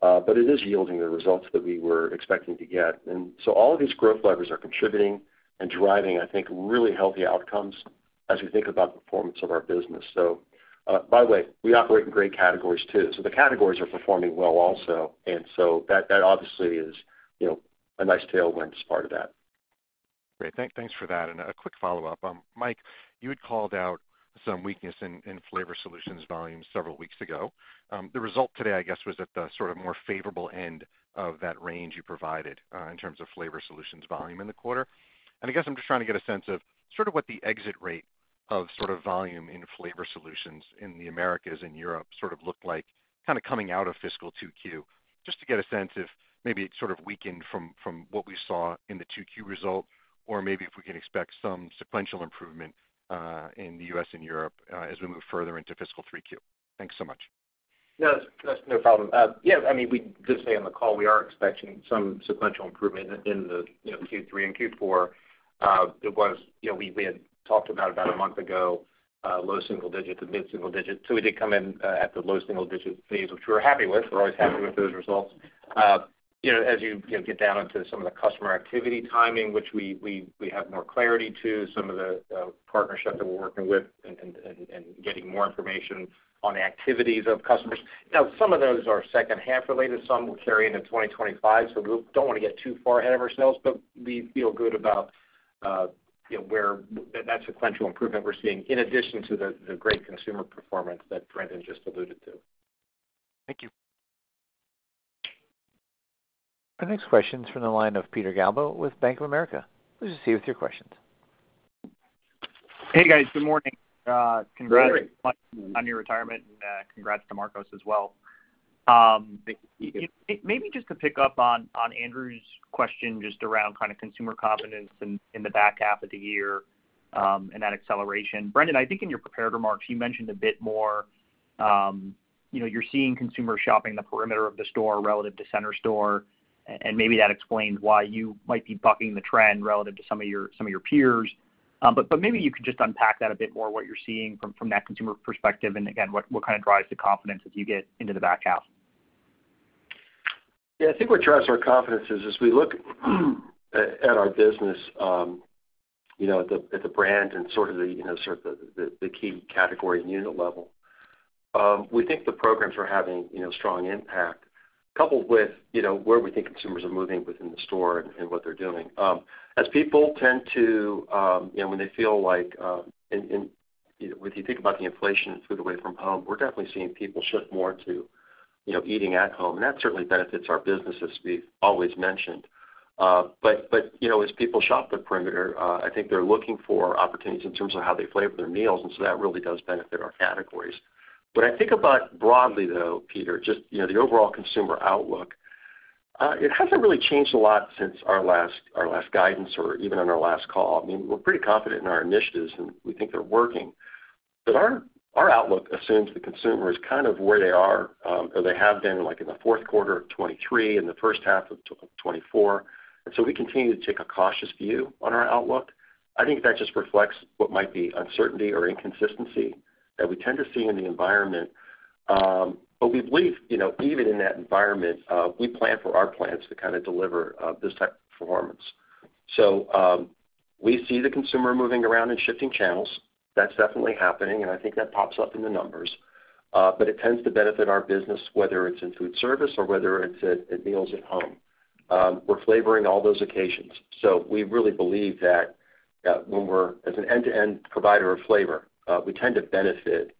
but it is yielding the results that we were expecting to get. So all of these growth levers are contributing and driving, I think, really healthy outcomes as we think about the performance of our business. So by the way, we operate in great categories too. So the categories are performing well also. So that obviously is a nice tailwind as part of that. Great. Thanks for that. A quick follow-up. Mike, you had called out some weakness in flavor solutions volume several weeks ago. The result today, I guess, was at the sort of more favorable end of that range you provided in terms of flavor solutions volume in the quarter. And I guess I'm just trying to get a sense of sort of what the exit rate of sort of volume in flavor solutions in the Americas and Europe sort of looked like kind of coming out of fiscal 2Q, just to get a sense if maybe it sort of weakened from what we saw in the 2Q result, or maybe if we can expect some sequential improvement in the U.S. and Europe as we move further into fiscal 3Q. Thanks so much. Yeah. That's no problem. Yeah. I mean, we did say on the call we are expecting some sequential improvement in the Q3 and Q4. It was, we had talked about a month ago, low single digit to mid single digit. So we did come in at the low single digit phase, which we were happy with. We're always happy with those results. As you get down into some of the customer activity timing, which we have more clarity to, some of the partnerships that we're working with and getting more information on activities of customers. Now, some of those are second half related. Some will carry into 2025. So we don't want to get too far ahead of ourselves, but we feel good about where that sequential improvement we're seeing, in addition to the great consumer performance that Brendan just alluded to. Thank you. Our next question is from the line of Peter Galbo with Bank of America. Please proceed with your questions. Hey, guys. Good morning. Congrats on your retirement, and congrats to Marcos as well. Thank you. Maybe just to pick up on Andrew's question just around kind of consumer confidence in the back half of the year and that acceleration. Brendan, I think in your prepared remarks, you mentioned a bit more you're seeing consumers shopping the perimeter of the store relative to center store, and maybe that explains why you might be bucking the trend relative to some of your peers. But maybe you could just unpack that a bit more, what you're seeing from that consumer perspective, and again, what kind of drives the confidence as you get into the back half. I think what drives our confidence is as we look at our business at the brand and sort of the key category and unit level, we think the programs are having strong impact, coupled with where we think consumers are moving within the store and what they're doing. As people tend to, when they feel like if you think about the inflation and food away from home, we're definitely seeing people shift more to eating at home. And that certainly benefits our business, as we've always mentioned. But as people shop the perimeter, I think they're looking for opportunities in terms of how they flavor their meals. And so that really does benefit our categories. When I think about broadly, though, Peter, just the overall consumer outlook, it hasn't really changed a lot since our last guidance or even on our last call. I mean, we're pretty confident in our initiatives, and we think they're working. But our outlook assumes the consumer is kind of where they are or they have been in the fourth quarter of 2023 and the first half of 2024. And so we continue to take a cautious view on our outlook. I think that just reflects what might be uncertainty or inconsistency that we tend to see in the environment. But we believe even in that environment, we plan for our plans to kind of deliver this type of performance. So we see the consumer moving around and shifting channels. That's definitely happening, and I think that pops up in the numbers. But it tends to benefit our business, whether it's in food service or whether it's at meals at home. We're flavoring all those occasions. So we really believe that when we're, as an end-to-end provider of flavor, we tend to benefit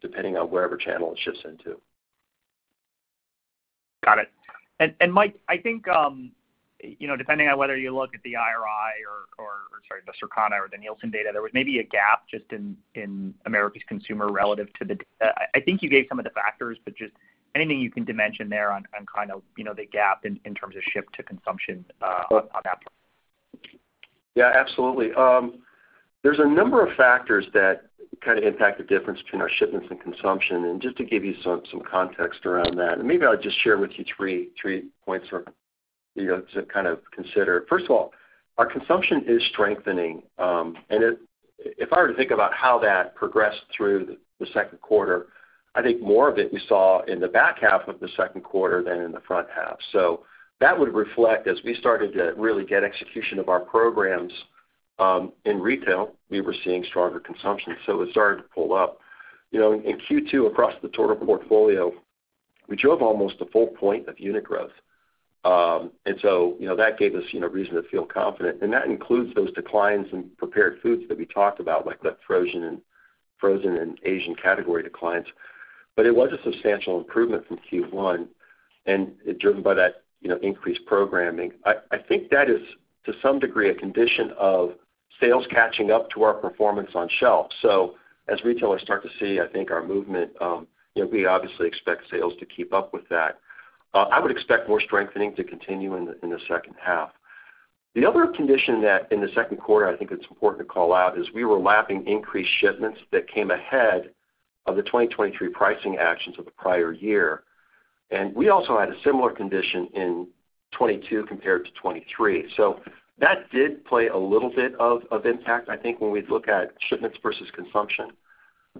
depending on wherever channel it shifts into. Got it. And Mike, I think depending on whether you look at the IRI or, sorry, the Circana or the Nielsen data, there was maybe a gap just in Americas consumer relative to. I think you gave some of the factors, but just anything you can dimension there on kind of the gap in terms of shift to consumption on that part. Yeah. Absolutely. There's a number of factors that kind of impact the difference between our shipments and consumption. And just to give you some context around that, and maybe I'll just share with you three points to kind of consider. First of all, our consumption is strengthening. If I were to think about how that progressed through the second quarter, I think more of it we saw in the back half of the second quarter than in the front half. So that would reflect as we started to really get execution of our programs in retail, we were seeing stronger consumption. So it started to pull up. In Q2, across the total portfolio, we drove almost a full point of unit growth. So that gave us reason to feel confident. And that includes those declines in prepared foods that we talked about, like the frozen and Asian category declines. But it was a substantial improvement from Q1, and it's driven by that increased programming. I think that is, to some degree, a condition of sales catching up to our performance on shelf. So as retailers start to see, I think our movement, we obviously expect sales to keep up with that. I would expect more strengthening to continue in the second half. The other condition that in the second quarter, I think it's important to call out is we were lapping increased shipments that came ahead of the 2023 pricing actions of the prior year. And we also had a similar condition in 2022 compared to 2023. So that did play a little bit of impact, I think, when we look at shipments versus consumption.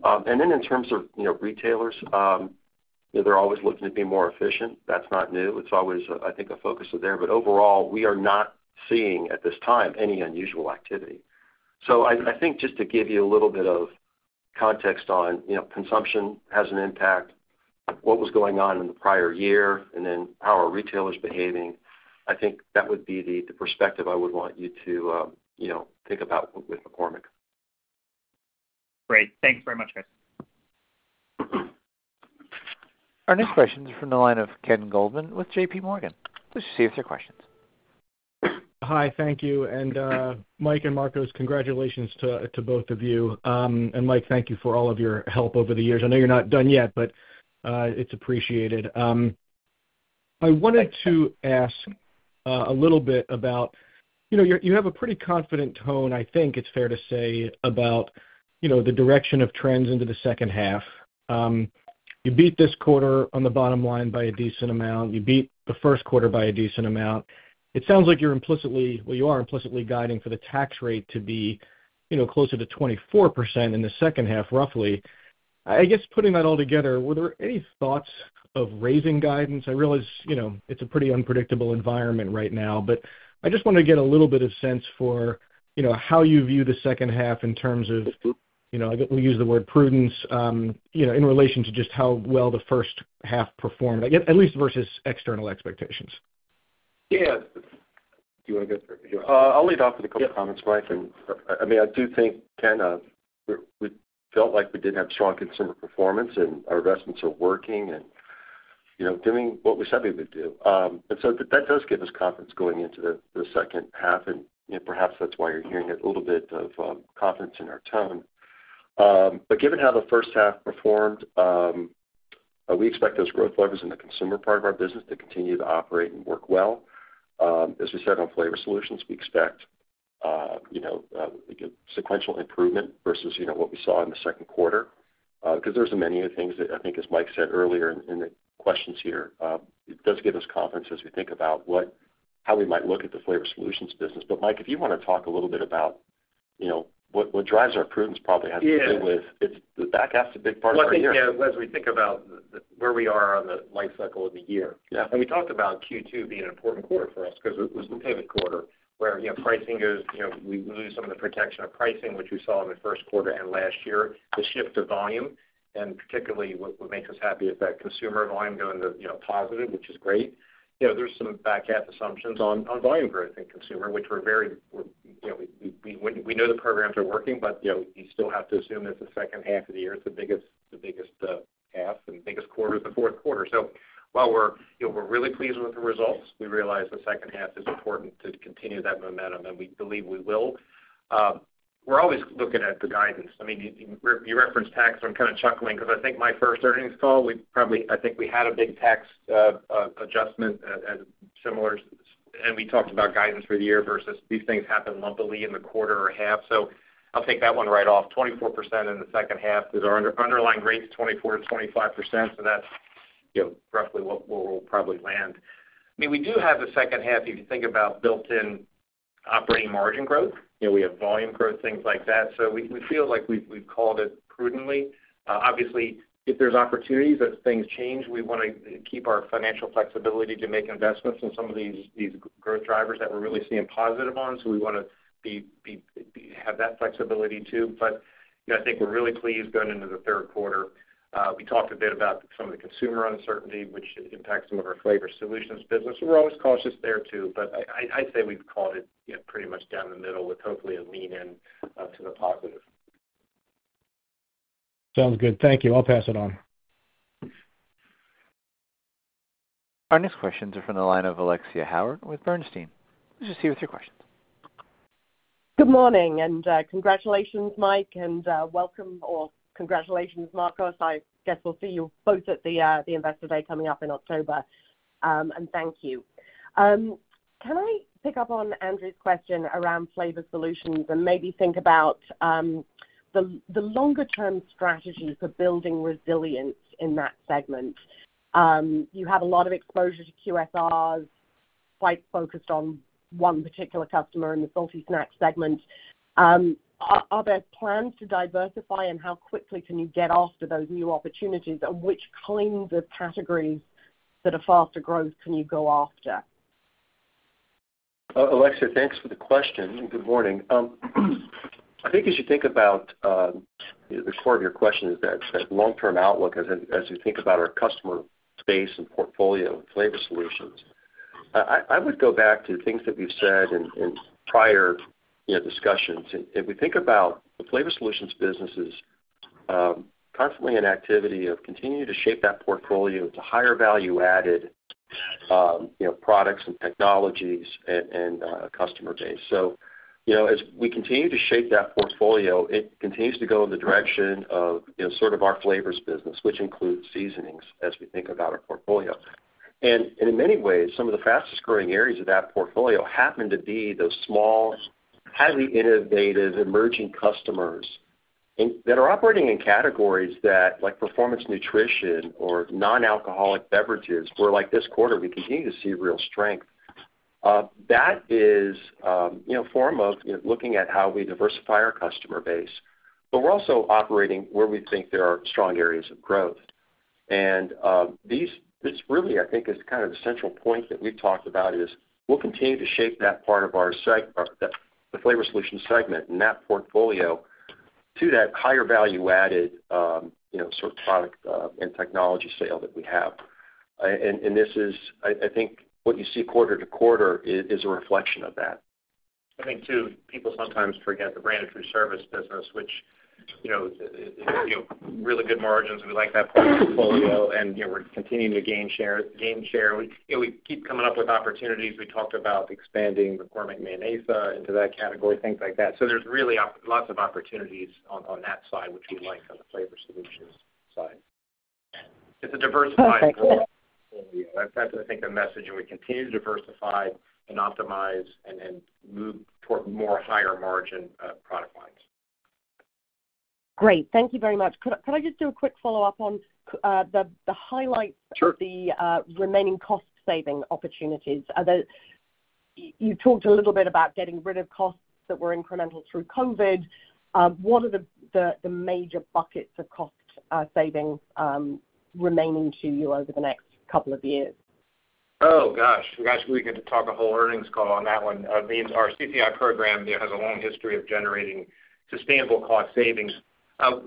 And then in terms of retailers, they're always looking to be more efficient. That's not new. It's always, I think, a focus of there. But overall, we are not seeing at this time any unusual activity. So, I think just to give you a little bit of context on consumption has an impact, what was going on in the prior year, and then how are retailers behaving, I think that would be the perspective I would want you to think about with McCormick. Great. Thanks very much, guys. Our next question is from the line of Ken Goldman with JPMorgan. Please proceed with your questions. Hi. Thank you. Mike and Marcos, congratulations to both of you. And Mike, thank you for all of your help over the years. I know you're not done yet, but it's appreciated. I wanted to ask a little bit about—you have a pretty confident tone, I think it's fair to say, about the direction of trends into the second half. You beat this quarter on the bottom line by a decent amount. You beat the first quarter by a decent amount. It sounds like you're implicitly well, you are implicitly guiding for the tax rate to be closer to 24% in the second half, roughly. I guess putting that all together, were there any thoughts of raising guidance? I realize it's a pretty unpredictable environment right now, but I just wanted to get a little bit of sense for how you view the second half in terms of I think we use the word prudence in relation to just how well the first half performed, at least versus external expectations. Yeah. Do you want to go through? I'll lead off with a couple of comments, Mike. I mean, I do think, Ken, we felt like we did have strong consumer performance, and our investments are working and doing what we said we would do. And so that does give us confidence going into the second half. And perhaps that's why you're hearing a little bit of confidence in our tone. But given how the first half performed, we expect those growth levers in the consumer part of our business to continue to operate and work well. As we said on flavor solutions, we expect sequential improvement versus what we saw in the second quarter because there are many other things that I think, as Mike said earlier in the questions here, it does give us confidence as we think about how we might look at the flavor solutions business. But Mike, if you want to talk a little bit about what drives our prudence, probably has to do with the back half is a big part of it. Well, I think as we think about where we are on the life cycle of the year, and we talked about Q2 being an important quarter for us because it was the pivot quarter where pricing goes, we lose some of the protection of pricing, which we saw in the first quarter and last year, the shift to volume. And particularly, what makes us happy is that consumer volume going to positive, which is great. There's some back half assumptions on volume growth and consumer, which we're very, we know the programs are working, but you still have to assume that the second half of the year is the biggest half and biggest quarter is the fourth quarter. So while we're really pleased with the results, we realize the second half is important to continue that momentum, and we believe we will. We're always looking at the guidance. I mean, you referenced tax. I'm kind of chuckling because I think my first earnings call, we probably, I think, we had a big tax adjustment similar. We talked about guidance for the year versus these things happen lumpily in the quarter or half. So I'll take that one right off. 24% in the second half is our underlying rates, 24%-25%. So that's roughly where we'll probably land. I mean, we do have the second half, if you think about built-in operating margin growth. We have volume growth, things like that. So we feel like we've called it prudently. Obviously, if there's opportunities, as things change, we want to keep our financial flexibility to make investments in some of these growth drivers that we're really seeing positive on. So we want to have that flexibility too. But I think we're really pleased going into the third quarter. We talked a bit about some of the consumer uncertainty, which impacts some of our flavor solutions business. We're always cautious there too. But I'd say we've called it pretty much down the middle with hopefully a lean-in to the positive. Sounds good. Thank you. I'll pass it on. Our next questions are from the line of Alexia Howard with Bernstein. Please proceed with your questions. Good morning. And congratulations, Mike. And welcome or congratulations, Marcos. I guess we'll see you both at the investor day coming up in October. And thank you. Can I pick up on Andrew's question around flavor solutions and maybe think about the longer-term strategy for building resilience in that segment? You have a lot of exposure to QSRs, quite focused on one particular customer in the salty snacks segment. Are there plans to diversify, and how quickly can you get after those new opportunities, and which kinds of categories that are faster growth can you go after? Alexia, thanks for the question. Good morning. I think as you think about the core of your question is that long-term outlook as we think about our customer base and portfolio of Flavor Solutions. I would go back to things that we've said in prior discussions. If we think about the Flavor Solutions business is constantly an activity of continuing to shape that portfolio to higher value-added products and technologies and customer base. So as we continue to shape that portfolio, it continues to go in the direction of sort of our flavors business, which includes seasonings as we think about our portfolio. In many ways, some of the fastest-growing areas of that portfolio happen to be those small, highly innovative emerging customers that are operating in categories that like performance nutrition or non-alcoholic beverages, where like this quarter we continue to see real strength. That is a form of looking at how we diversify our customer base. But we're also operating where we think there are strong areas of growth. And this really, I think, is kind of the central point that we've talked about is we'll continue to shape that part of our segment, the flavor solutions segment, and that portfolio to that higher value-added sort of product and technology sale that we have. And this is, I think, what you see quarter to quarter is a reflection of that. I think too, people sometimes forget the branded foodservice business, which really good margins. We like that portfolio, and we're continuing to gain share. We keep coming up with opportunities. We talked about expanding McCormick Mayonesa into that category, things like that. So there's really lots of opportunities on that side, which we like on the flavor solutions side. It's a diversified growth portfolio. That's, I think, the message. And we continue to diversify and optimize and move toward more higher margin product lines. Great. Thank you very much. Could I just do a quick follow-up on the highlights of the remaining cost-saving opportunities? You talked a little bit about getting rid of costs that were incremental through COVID. What are the major buckets of cost savings remaining to you over the next couple of years? Oh, gosh. We've got to talk a whole earnings call on that one. I mean, our CCI program has a long history of generating sustainable cost savings.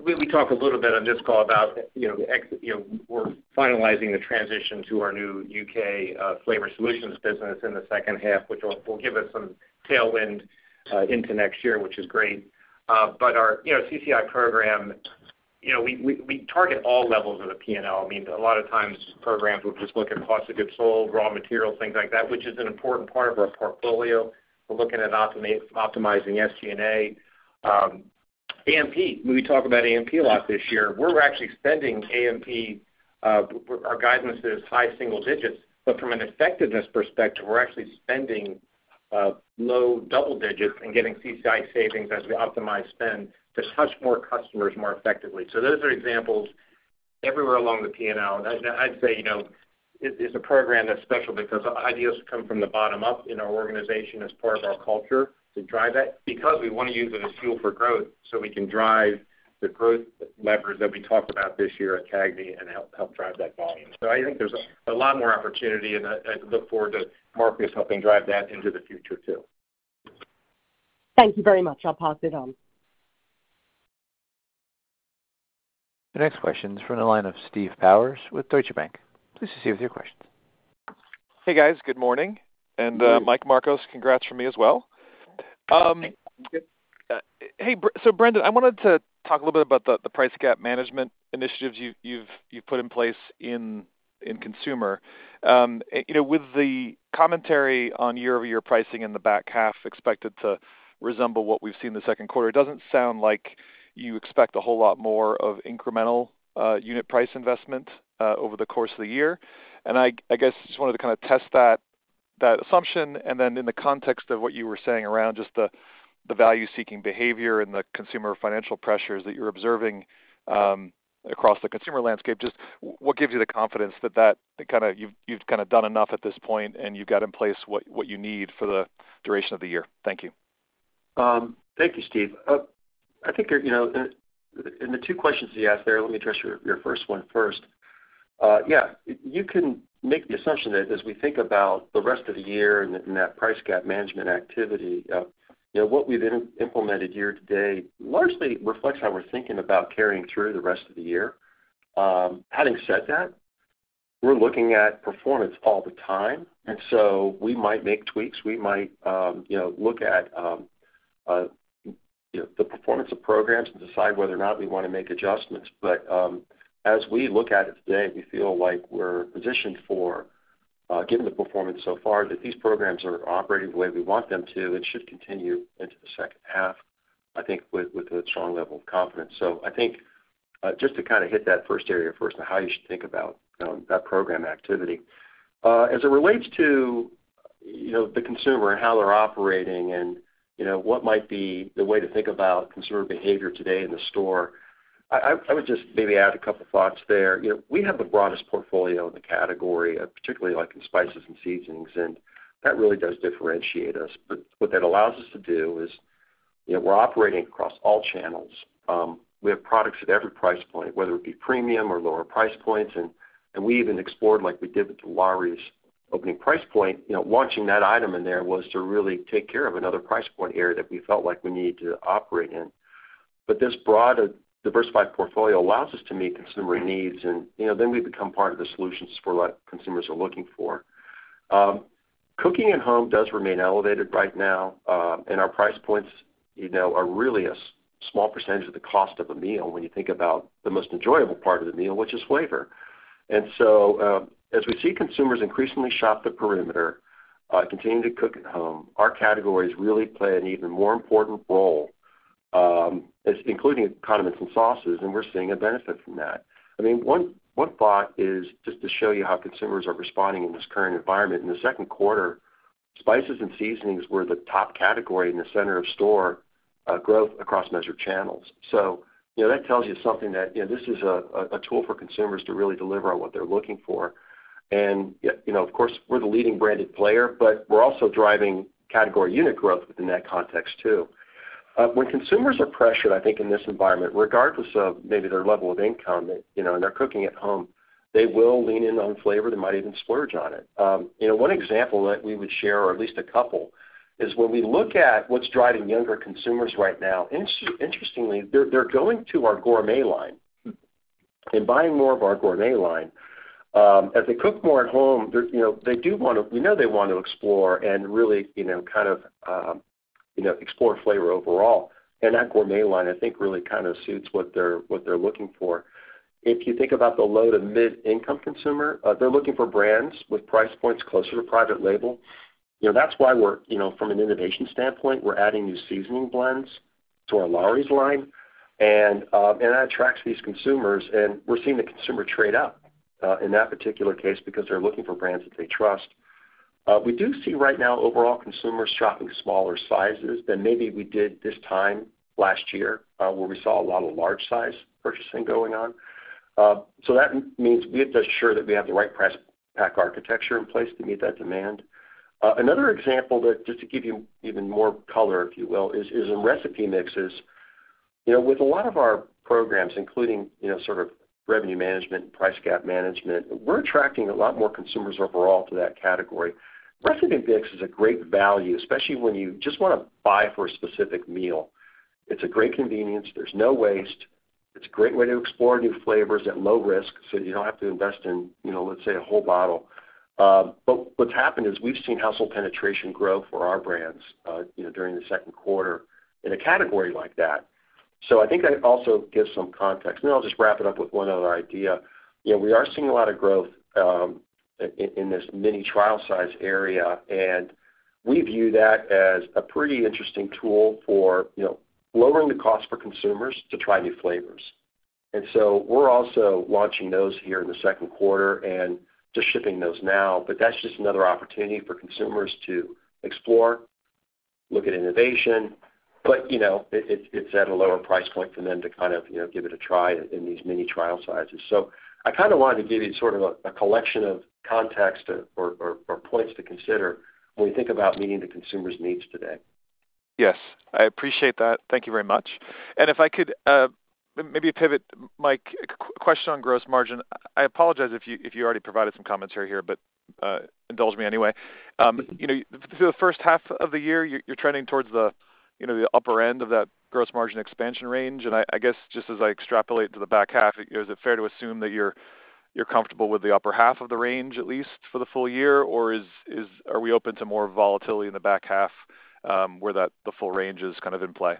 We talk a little bit on this call about we're finalizing the transition to our new UK flavor solutions business in the second half, which will give us some tailwind into next year, which is great. But our CCI program, we target all levels of the P&L. I mean, a lot of times, programs will just look at cost of goods sold, raw materials, things like that, which is an important part of our portfolio. We're looking at optimizing SG&A. A&P, we talk about A&P a lot this year. We're actually spending A&P; our guidance is high single digits. But from an effectiveness perspective, we're actually spending low double digits and getting CCI savings as we optimize spend to touch more customers more effectively. So those are examples everywhere along the P&L. And I'd say it's a program that's special because ideas come from the bottom up in our organization as part of our culture to drive that because we want to use it as fuel for growth so we can drive the growth levers that we talked about this year at CAGNY and help drive that volume. So I think there's a lot more opportunity, and I look forward to Marcos helping drive that into the future too. Thank you very much. I'll pass it on. The next question is from the line of Steve Powers with Deutsche Bank. Please proceed with your questions. Hey, guys. Good morning. And Mike, Marcos, congrats from me as well. Hey, so Brendan, I wanted to talk a little bit about the price gap management initiatives you've put in place in consumer. With the commentary on year-over-year pricing in the back half expected to resemble what we've seen the second quarter, it doesn't sound like you expect a whole lot more of incremental unit price investment over the course of the year. And I guess just wanted to kind of test that assumption. And then in the context of what you were saying around just the value-seeking behavior and the consumer financial pressures that you're observing across the consumer landscape, just what gives you the confidence that you've kind of done enough at this point and you've got in place what you need for the duration of the year? Thank you. Thank you, Steve. I think in the two questions you asked there, let me address your first one first. Yeah. You can make the assumption that as we think about the rest of the year and that price gap management activity, what we've implemented year to date largely reflects how we're thinking about carrying through the rest of the year. Having said that, we're looking at performance all the time. And so we might make tweaks. We might look at the performance of programs and decide whether or not we want to make adjustments. But as we look at it today, we feel like we're positioned for, given the performance so far, that these programs are operating the way we want them to and should continue into the second half, I think, with a strong level of confidence. So I think just to kind of hit that first area first and how you should think about that program activity. As it relates to the consumer and how they're operating and what might be the way to think about consumer behavior today in the store, I would just maybe add a couple of thoughts there. We have the broadest portfolio in the category, particularly in spices and seasonings. That really does differentiate us. But what that allows us to do is we're operating across all channels. We have products at every price point, whether it be premium or lower price points. We even explored, like we did with the Lawry's opening price point, launching that item in there was to really take care of another price point area that we felt like we needed to operate in. But this broad, diversified portfolio allows us to meet consumer needs, and then we become part of the solutions for what consumers are looking for. Cooking at home does remain elevated right now. Our price points are really a small percentage of the cost of a meal when you think about the most enjoyable part of the meal, which is flavor. So as we see consumers increasingly shop the perimeter, continue to cook at home, our categories really play an even more important role, including condiments and sauces. We're seeing a benefit from that. I mean, one thought is just to show you how consumers are responding in this current environment. In the second quarter, spices and seasonings were the top category in the center of store growth across measured channels. That tells you something that this is a tool for consumers to really deliver on what they're looking for. Of course, we're the leading branded player, but we're also driving category unit growth within that context too. When consumers are pressured, I think in this environment, regardless of maybe their level of income and they're cooking at home, they will lean in on flavor. They might even splurge on it. One example that we would share, or at least a couple, is when we look at what's driving younger consumers right now. Interestingly, they're going to our gourmet line and buying more of our gourmet line. As they cook more at home, they do want to, we know, they want to explore and really kind of explore flavor overall. That gourmet line, I think, really kind of suits what they're looking for. If you think about the low to mid-income consumer, they're looking for brands with price points closer to private label. That's why we're, from an innovation standpoint, we're adding new seasoning blends to our Lawry's line. That attracts these consumers. We're seeing the consumer trade up in that particular case because they're looking for brands that they trust. We do see right now overall consumers shopping smaller sizes than maybe we did this time last year where we saw a lot of large-size purchasing going on. That means we have to ensure that we have the right price pack architecture in place to meet that demand. Another example that just to give you even more color, if you will, is in recipe mixes. With a lot of our programs, including sort of revenue management and price gap management, we're attracting a lot more consumers overall to that category. Recipe mix is a great value, especially when you just want to buy for a specific meal. It's a great convenience. There's no waste. It's a great way to explore new flavors at low risk so you don't have to invest in, let's say, a whole bottle. But what's happened is we've seen household penetration grow for our brands during the second quarter in a category like that. So I think that also gives some context. And then I'll just wrap it up with one other idea. We are seeing a lot of growth in this mini trial size area. And we view that as a pretty interesting tool for lowering the cost for consumers to try new flavors. And so we're also launching those here in the second quarter and just shipping those now. But that's just another opportunity for consumers to explore, look at innovation. But it's at a lower price point for them to kind of give it a try in these mini trial sizes. So I kind of wanted to give you sort of a collection of context or points to consider when we think about meeting the consumers' needs today. Yes. I appreciate that. Thank you very much. And if I could maybe pivot, Mike, a question on gross margin. I apologize if you already provided some commentary here, but indulge me anyway. For the first half of the year, you're trending towards the upper end of that gross margin expansion range. And I guess just as I extrapolate to the back half, is it fair to assume that you're comfortable with the upper half of the range at least for the full year? Or are we open to more volatility in the back half where the full range is kind of in play?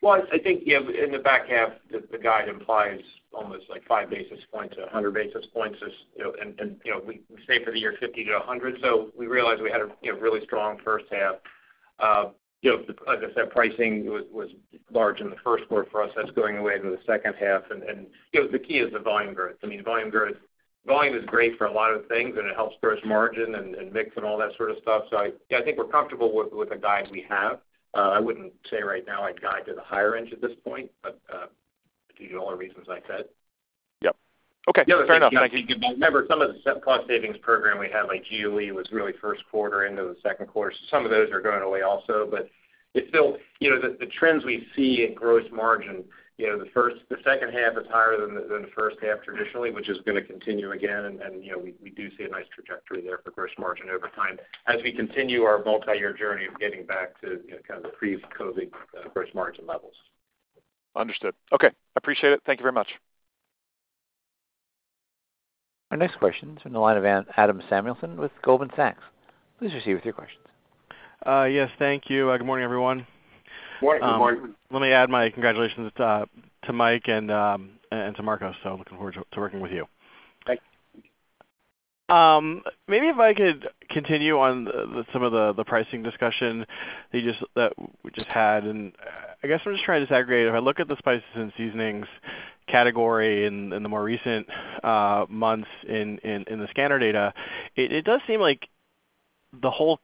Well, I think in the back half, the guide implies almost like 5 basis points to 100 basis points. We say for the year 50-100. So we realized we had a really strong first half. As I said, pricing was large in the first quarter for us. That's going away into the second half. And the key is the volume growth. I mean, volume growth, volume is great for a lot of things, and it helps gross margin and mix and all that sort of stuff. So yeah, I think we're comfortable with the guide we have. I wouldn't say right now I'd guide to the higher end at this point due to all the reasons I said. Yep. Okay. Fair enough. Thank you. Remember, some of the cost savings program we had, like GOE, was really first quarter into the second quarter. So some of those are going away also. But still, the trends we see in gross margin, the second half is higher than the first half traditionally, which is going to continue again. And we do see a nice trajectory there for gross margin over time as we continue our multi-year journey of getting back to kind of the pre-COVID gross margin levels. Understood. Okay. I appreciate it. Thank you very much. Our next question is from the line of Adam Samuelson with Goldman Sachs. Please proceed with your questions. Yes. Thank you. Good morning, everyone. Good morning. Good morning. Let me add my congratulations to Mike and to Marcos. So looking forward to working with you. Thanks. Maybe if I could continue on some of the pricing discussion that we just had. And I guess I'm just trying to disaggregate. If I look at the spices and seasonings category in the more recent months in the scanner data, it does seem like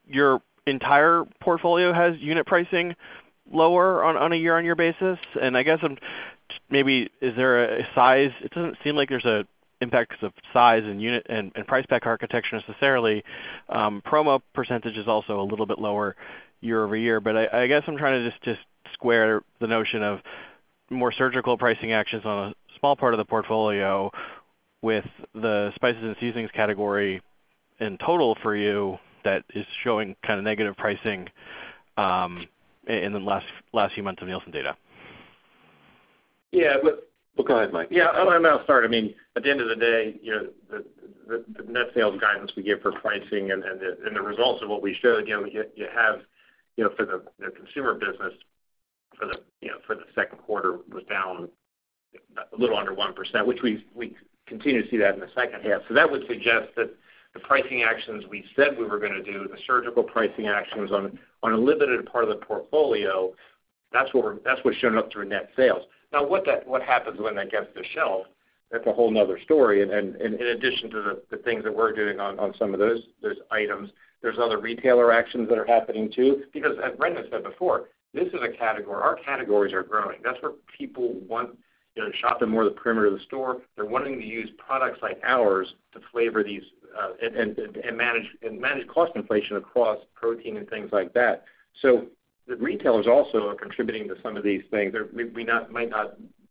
your entire portfolio has unit pricing lower on a year-over-year basis. And I guess maybe is there a size? It doesn't seem like there's an impact of size and unit and price pack architecture necessarily. Promo percentage is also a little bit lower year-over-year. But I guess I'm trying to just square the notion of more surgical pricing actions on a small part of the portfolio with the spices and seasonings category in total for you that is showing kind of negative pricing in the last few months of Nielsen data. Yeah. Well, go ahead, Mike. Yeah. I'll start. I mean, at the end of the day, the net sales guidance we give for pricing and the results of what we showed, you have for the consumer business for the second quarter was down a little under 1%, which we continue to see that in the second half. So that would suggest that the pricing actions we said we were going to do, the surgical pricing actions on a limited part of the portfolio, that's what's shown up through net sales. Now, what happens when that gets to shelf, that's a whole nother story. And in addition to the things that we're doing on some of those items, there's other retailer actions that are happening too. Because as Brendan said before, this is a category. Our categories are growing. That's where people want to shop in more of the perimeter of the store. They're wanting to use products like ours to flavor these and manage cost inflation across protein and things like that. So the retailers also are contributing to some of these things.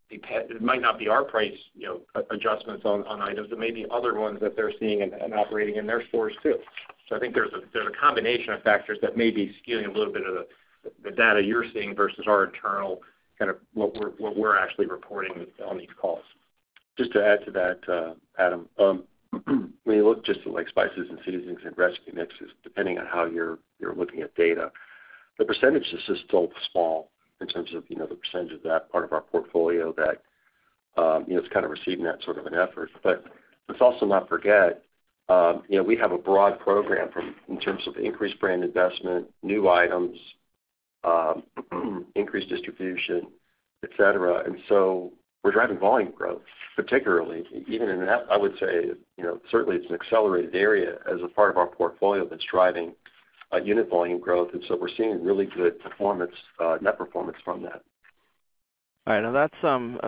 It might not be our price adjustments on items, but maybe other ones that they're seeing and operating in their stores too. So I think there's a combination of factors that may be skewing a little bit of the data you're seeing versus our internal kind of what we're actually reporting on these calls. Just to add to that, Adam, when you look just at spices and seasonings and recipe mixes, depending on how you're looking at data, the percentage is just so small in terms of the percentage of that part of our portfolio that it's kind of receiving that sort of an effort. But let's also not forget, we have a broad program in terms of increased brand investment, new items, increased distribution, etc. And so we're driving volume growth, particularly. Even in that, I would say, certainly it's an accelerated area as a part of our portfolio that's driving unit volume growth. And so we're seeing really good performance, net performance from that. All right. Now,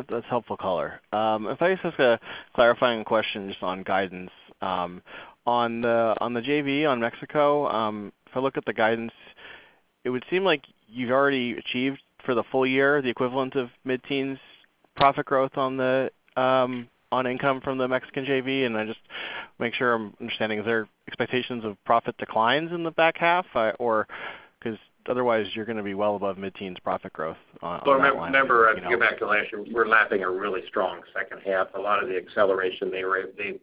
that's helpful color. If I just ask a clarifying question just on guidance. On the JV in Mexico, if I look at the guidance, it would seem like you've already achieved for the full year the equivalent of mid-teens profit growth on income from the Mexican JV. And I just want to make sure I'm understanding. Is there expectations of profit declines in the back half? Because otherwise, you're going to be well above mid-teens profit growth on that one. Well, remember, as you go back to last year, we're lapping a really strong second half. A lot of the acceleration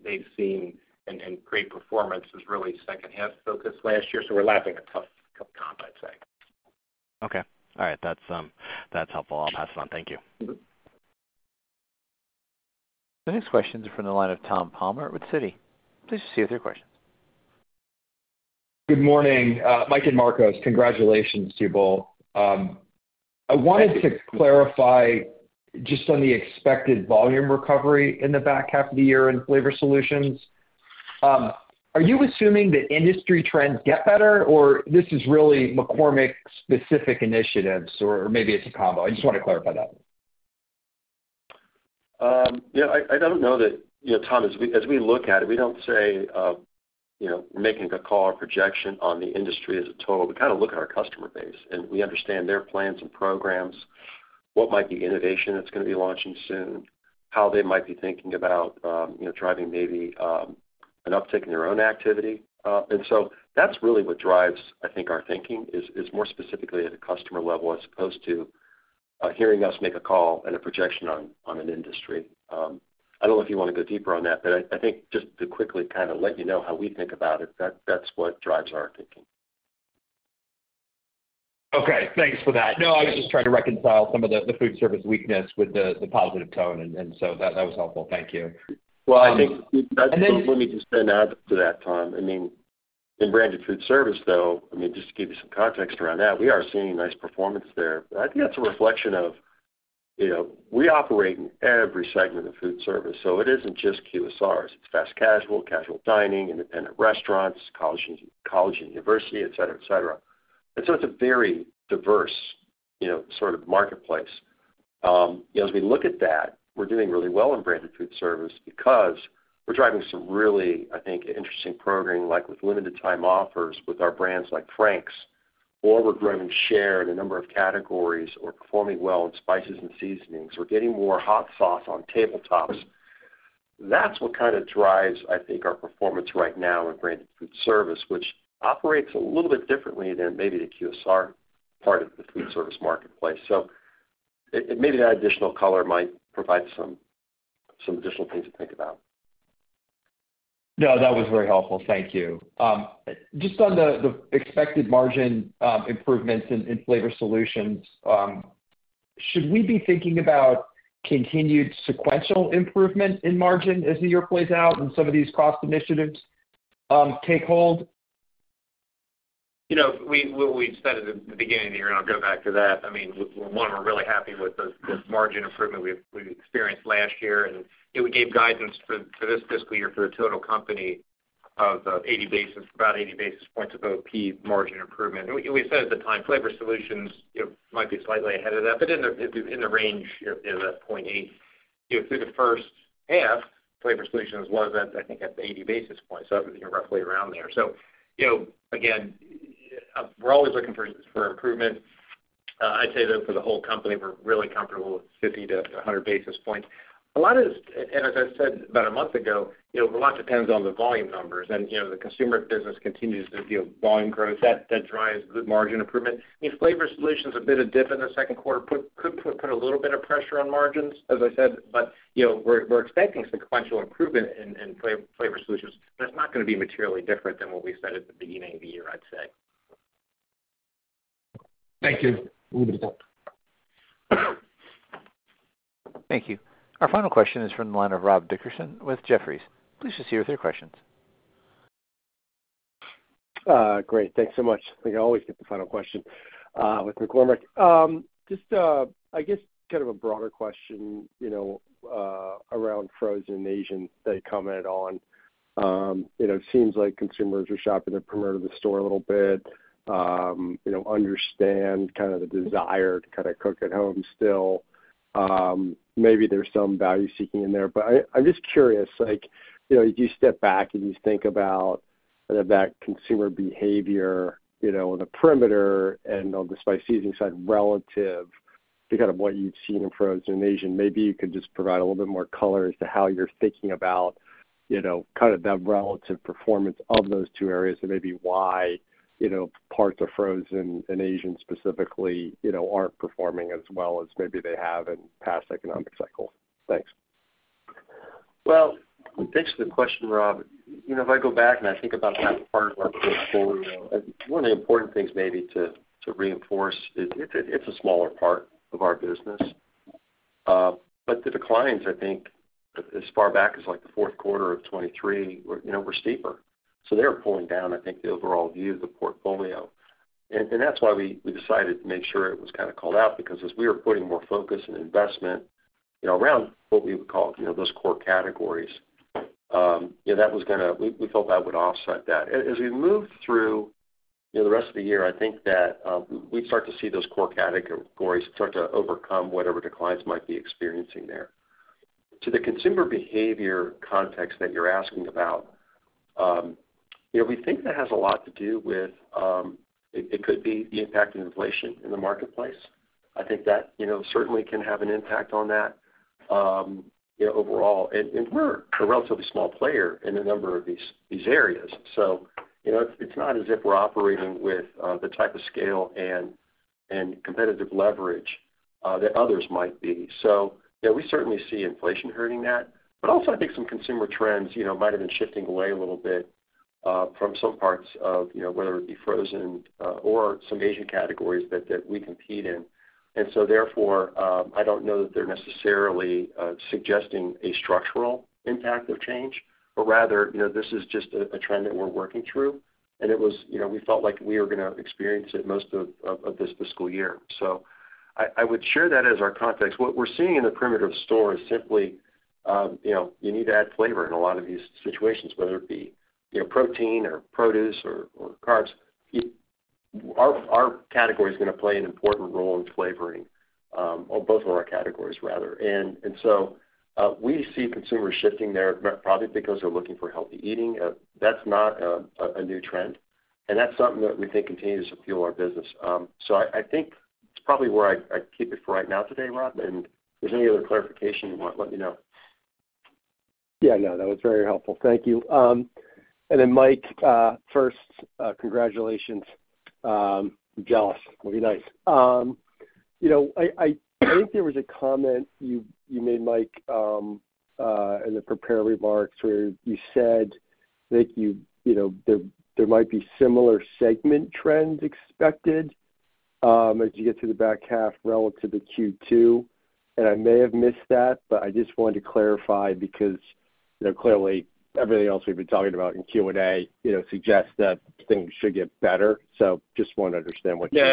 they've seen and great performance is really second half focused last year. So we're lapping a tough comp, I'd say. Okay. All right. That's helpful. I'll pass it on. Thank you. The next question is from the line of Tom Palmer at Citi. Please proceed with your questions. Good morning. Mike and Marcos, congratulations to you both. I wanted to clarify just on the expected volume recovery in the back half of the year in flavor solutions. Are you assuming that industry trends get better, or this is really McCormick-specific initiatives, or maybe it's a combo? I just want to clarify that. Yeah. I don't know that, Tom, as we look at it, we don't say we're making a call or projection on the industry as a total. We kind of look at our customer base, and we understand their plans and programs, what might be innovation that's going to be launching soon, how they might be thinking about driving maybe an uptick in their own activity. And so that's really what drives, I think, our thinking is more specifically at a customer level as opposed to hearing us make a call and a projection on an industry. I don't know if you want to go deeper on that, but I think just to quickly kind of let you know how we think about it, that's what drives our thinking. Okay. Thanks for that. No, I was just trying to reconcile some of the food service weakness with the positive tone. And so that was helpful. Thank you. Well, I think let me just add to that, Tom. I mean, in branded food service, though, I mean, just to give you some context around that, we are seeing nice performance there. I think that's a reflection of we operate in every segment of food service. So it isn't just QSRs. It's fast casual, casual dining, independent restaurants, college and university, etc., etc. And so it's a very diverse sort of marketplace. As we look at that, we're doing really well in branded food service because we're driving some really, I think, interesting programming like with limited-time offers with our brands like Frank's, or we're growing share in a number of categories or performing well in spices and seasonings. We're getting more hot sauce on tabletops. That's what kind of drives, I think, our performance right now in branded food service, which operates a little bit differently than maybe the QSR part of the food service marketplace. So maybe that additional color might provide some additional things to think about. No, that was very helpful. Thank you. Just on the expected margin improvements in Flavor Solutions, should we be thinking about continued sequential improvement in margin as the year plays out and some of these cost initiatives take hold? We said at the beginning of the year, and I'll go back to that. I mean, one, we're really happy with the margin improvement we experienced last year. And we gave guidance for this fiscal year for the total company of about 80 basis points of OP margin improvement. And we said at the time, Flavor Solutions might be slightly ahead of that, but in the range of that 0.8. Through the first half, Flavor Solutions was at, I think, at the 80 basis points. So roughly around there. So again, we're always looking for improvement. I'd say, though, for the whole company, we're really comfortable with 50-100 basis points. As I said about a month ago, a lot depends on the volume numbers. The consumer business continues to deal with volume growth. That drives the margin improvement. I mean, flavor solutions a bit of dip in the second quarter could put a little bit of pressure on margins, as I said. But we're expecting sequential improvement in flavor solutions. That's not going to be materially different than what we said at the beginning of the year, I'd say. Thank you. A little bit of that. Thank you. Our final question is from the line of Rob Dickerson with Jefferies. Please proceed with your questions. Great. Thanks so much. I think I always get the final question with McCormick. Just, I guess, kind of a broader question around frozen Asian that he commented on. It seems like consumers are shopping at the perimeter of the store a little bit. Understand kind of the desire to kind of cook at home still. Maybe there's some value seeking in there. But I'm just curious, as you step back and you think about that consumer behavior on the perimeter and on the spice seasoning side relative to kind of what you've seen in frozen Asian, maybe you could just provide a little bit more color as to how you're thinking about kind of that relative performance of those two areas and maybe why parts of frozen and Asian specifically aren't performing as well as maybe they have in past economic cycles. Thanks. Well, thanks for the question, Rob. If I go back and I think about that part of our portfolio, one of the important things maybe to reinforce is it's a smaller part of our business. But the declines, I think, as far back as the fourth quarter of 2023, were steeper. So they were pulling down, I think, the overall view of the portfolio. And that's why we decided to make sure it was kind of called out because as we were putting more focus and investment around what we would call those core categories, that was going to we felt that would offset that. As we move through the rest of the year, I think that we start to see those core categories start to overcome whatever declines might be experiencing there. To the consumer behavior context that you're asking about, we think that has a lot to do with it, could be the impact of inflation in the marketplace. I think that certainly can have an impact on that overall. And we're a relatively small player in a number of these areas. So it's not as if we're operating with the type of scale and competitive leverage that others might be. So we certainly see inflation hurting that. But also, I think some consumer trends might have been shifting away a little bit from some parts of whether it be frozen or some Asian categories that we compete in. And so, therefore, I don't know that they're necessarily suggesting a structural impact of change, but rather, this is just a trend that we're working through. And we felt like we were going to experience it most of this fiscal year. So I would share that as our context. What we're seeing in the perimeter of the store is simply you need to add flavor in a lot of these situations, whether it be protein or produce or carbs. Our category is going to play an important role in flavoring on both of our categories, rather. And so we see consumers shifting there probably because they're looking for healthy eating. That's not a new trend. And that's something that we think continues to fuel our business. So I think it's probably where I keep it for right now today, Rob. And if there's any other clarification you want, let me know. Yeah. No, that was very helpful. Thank you. And then, Mike, first, congratulations. I'm jealous. It'll be nice. I think there was a comment you made, Mike, in the prepared remarks where you said that there might be similar segment trends expected as you get to the back half relative to Q2. I may have missed that, but I just wanted to clarify because clearly, everything else we've been talking about in Q&A suggests that things should get better. So just wanted to understand what you mean.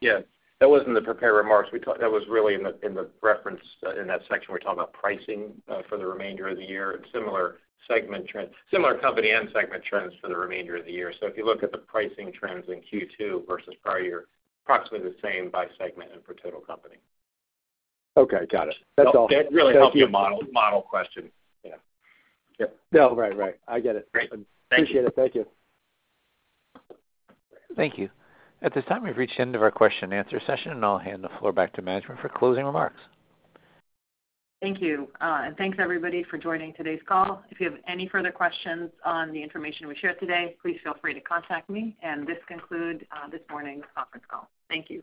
Yeah. That wasn't the prepared remarks. That was really in the referenced section we're talking about pricing for the remainder of the year and similar company and segment trends for the remainder of the year. So if you look at the pricing trends in Q2 versus prior year, approximately the same by segment and per total company. Okay. Got it. That's all. It really helps the model question. Yeah. No, right, right. I get it. Appreciate it. Thank you. Thank you. At this time, we've reached the end of our question-and-answer session, and I'll hand the floor back to management for closing remarks. Thank you. And thanks, everybody, for joining today's call. If you have any further questions on the information we shared today, please feel free to contact me. And this concludes this morning's conference call. Thank you.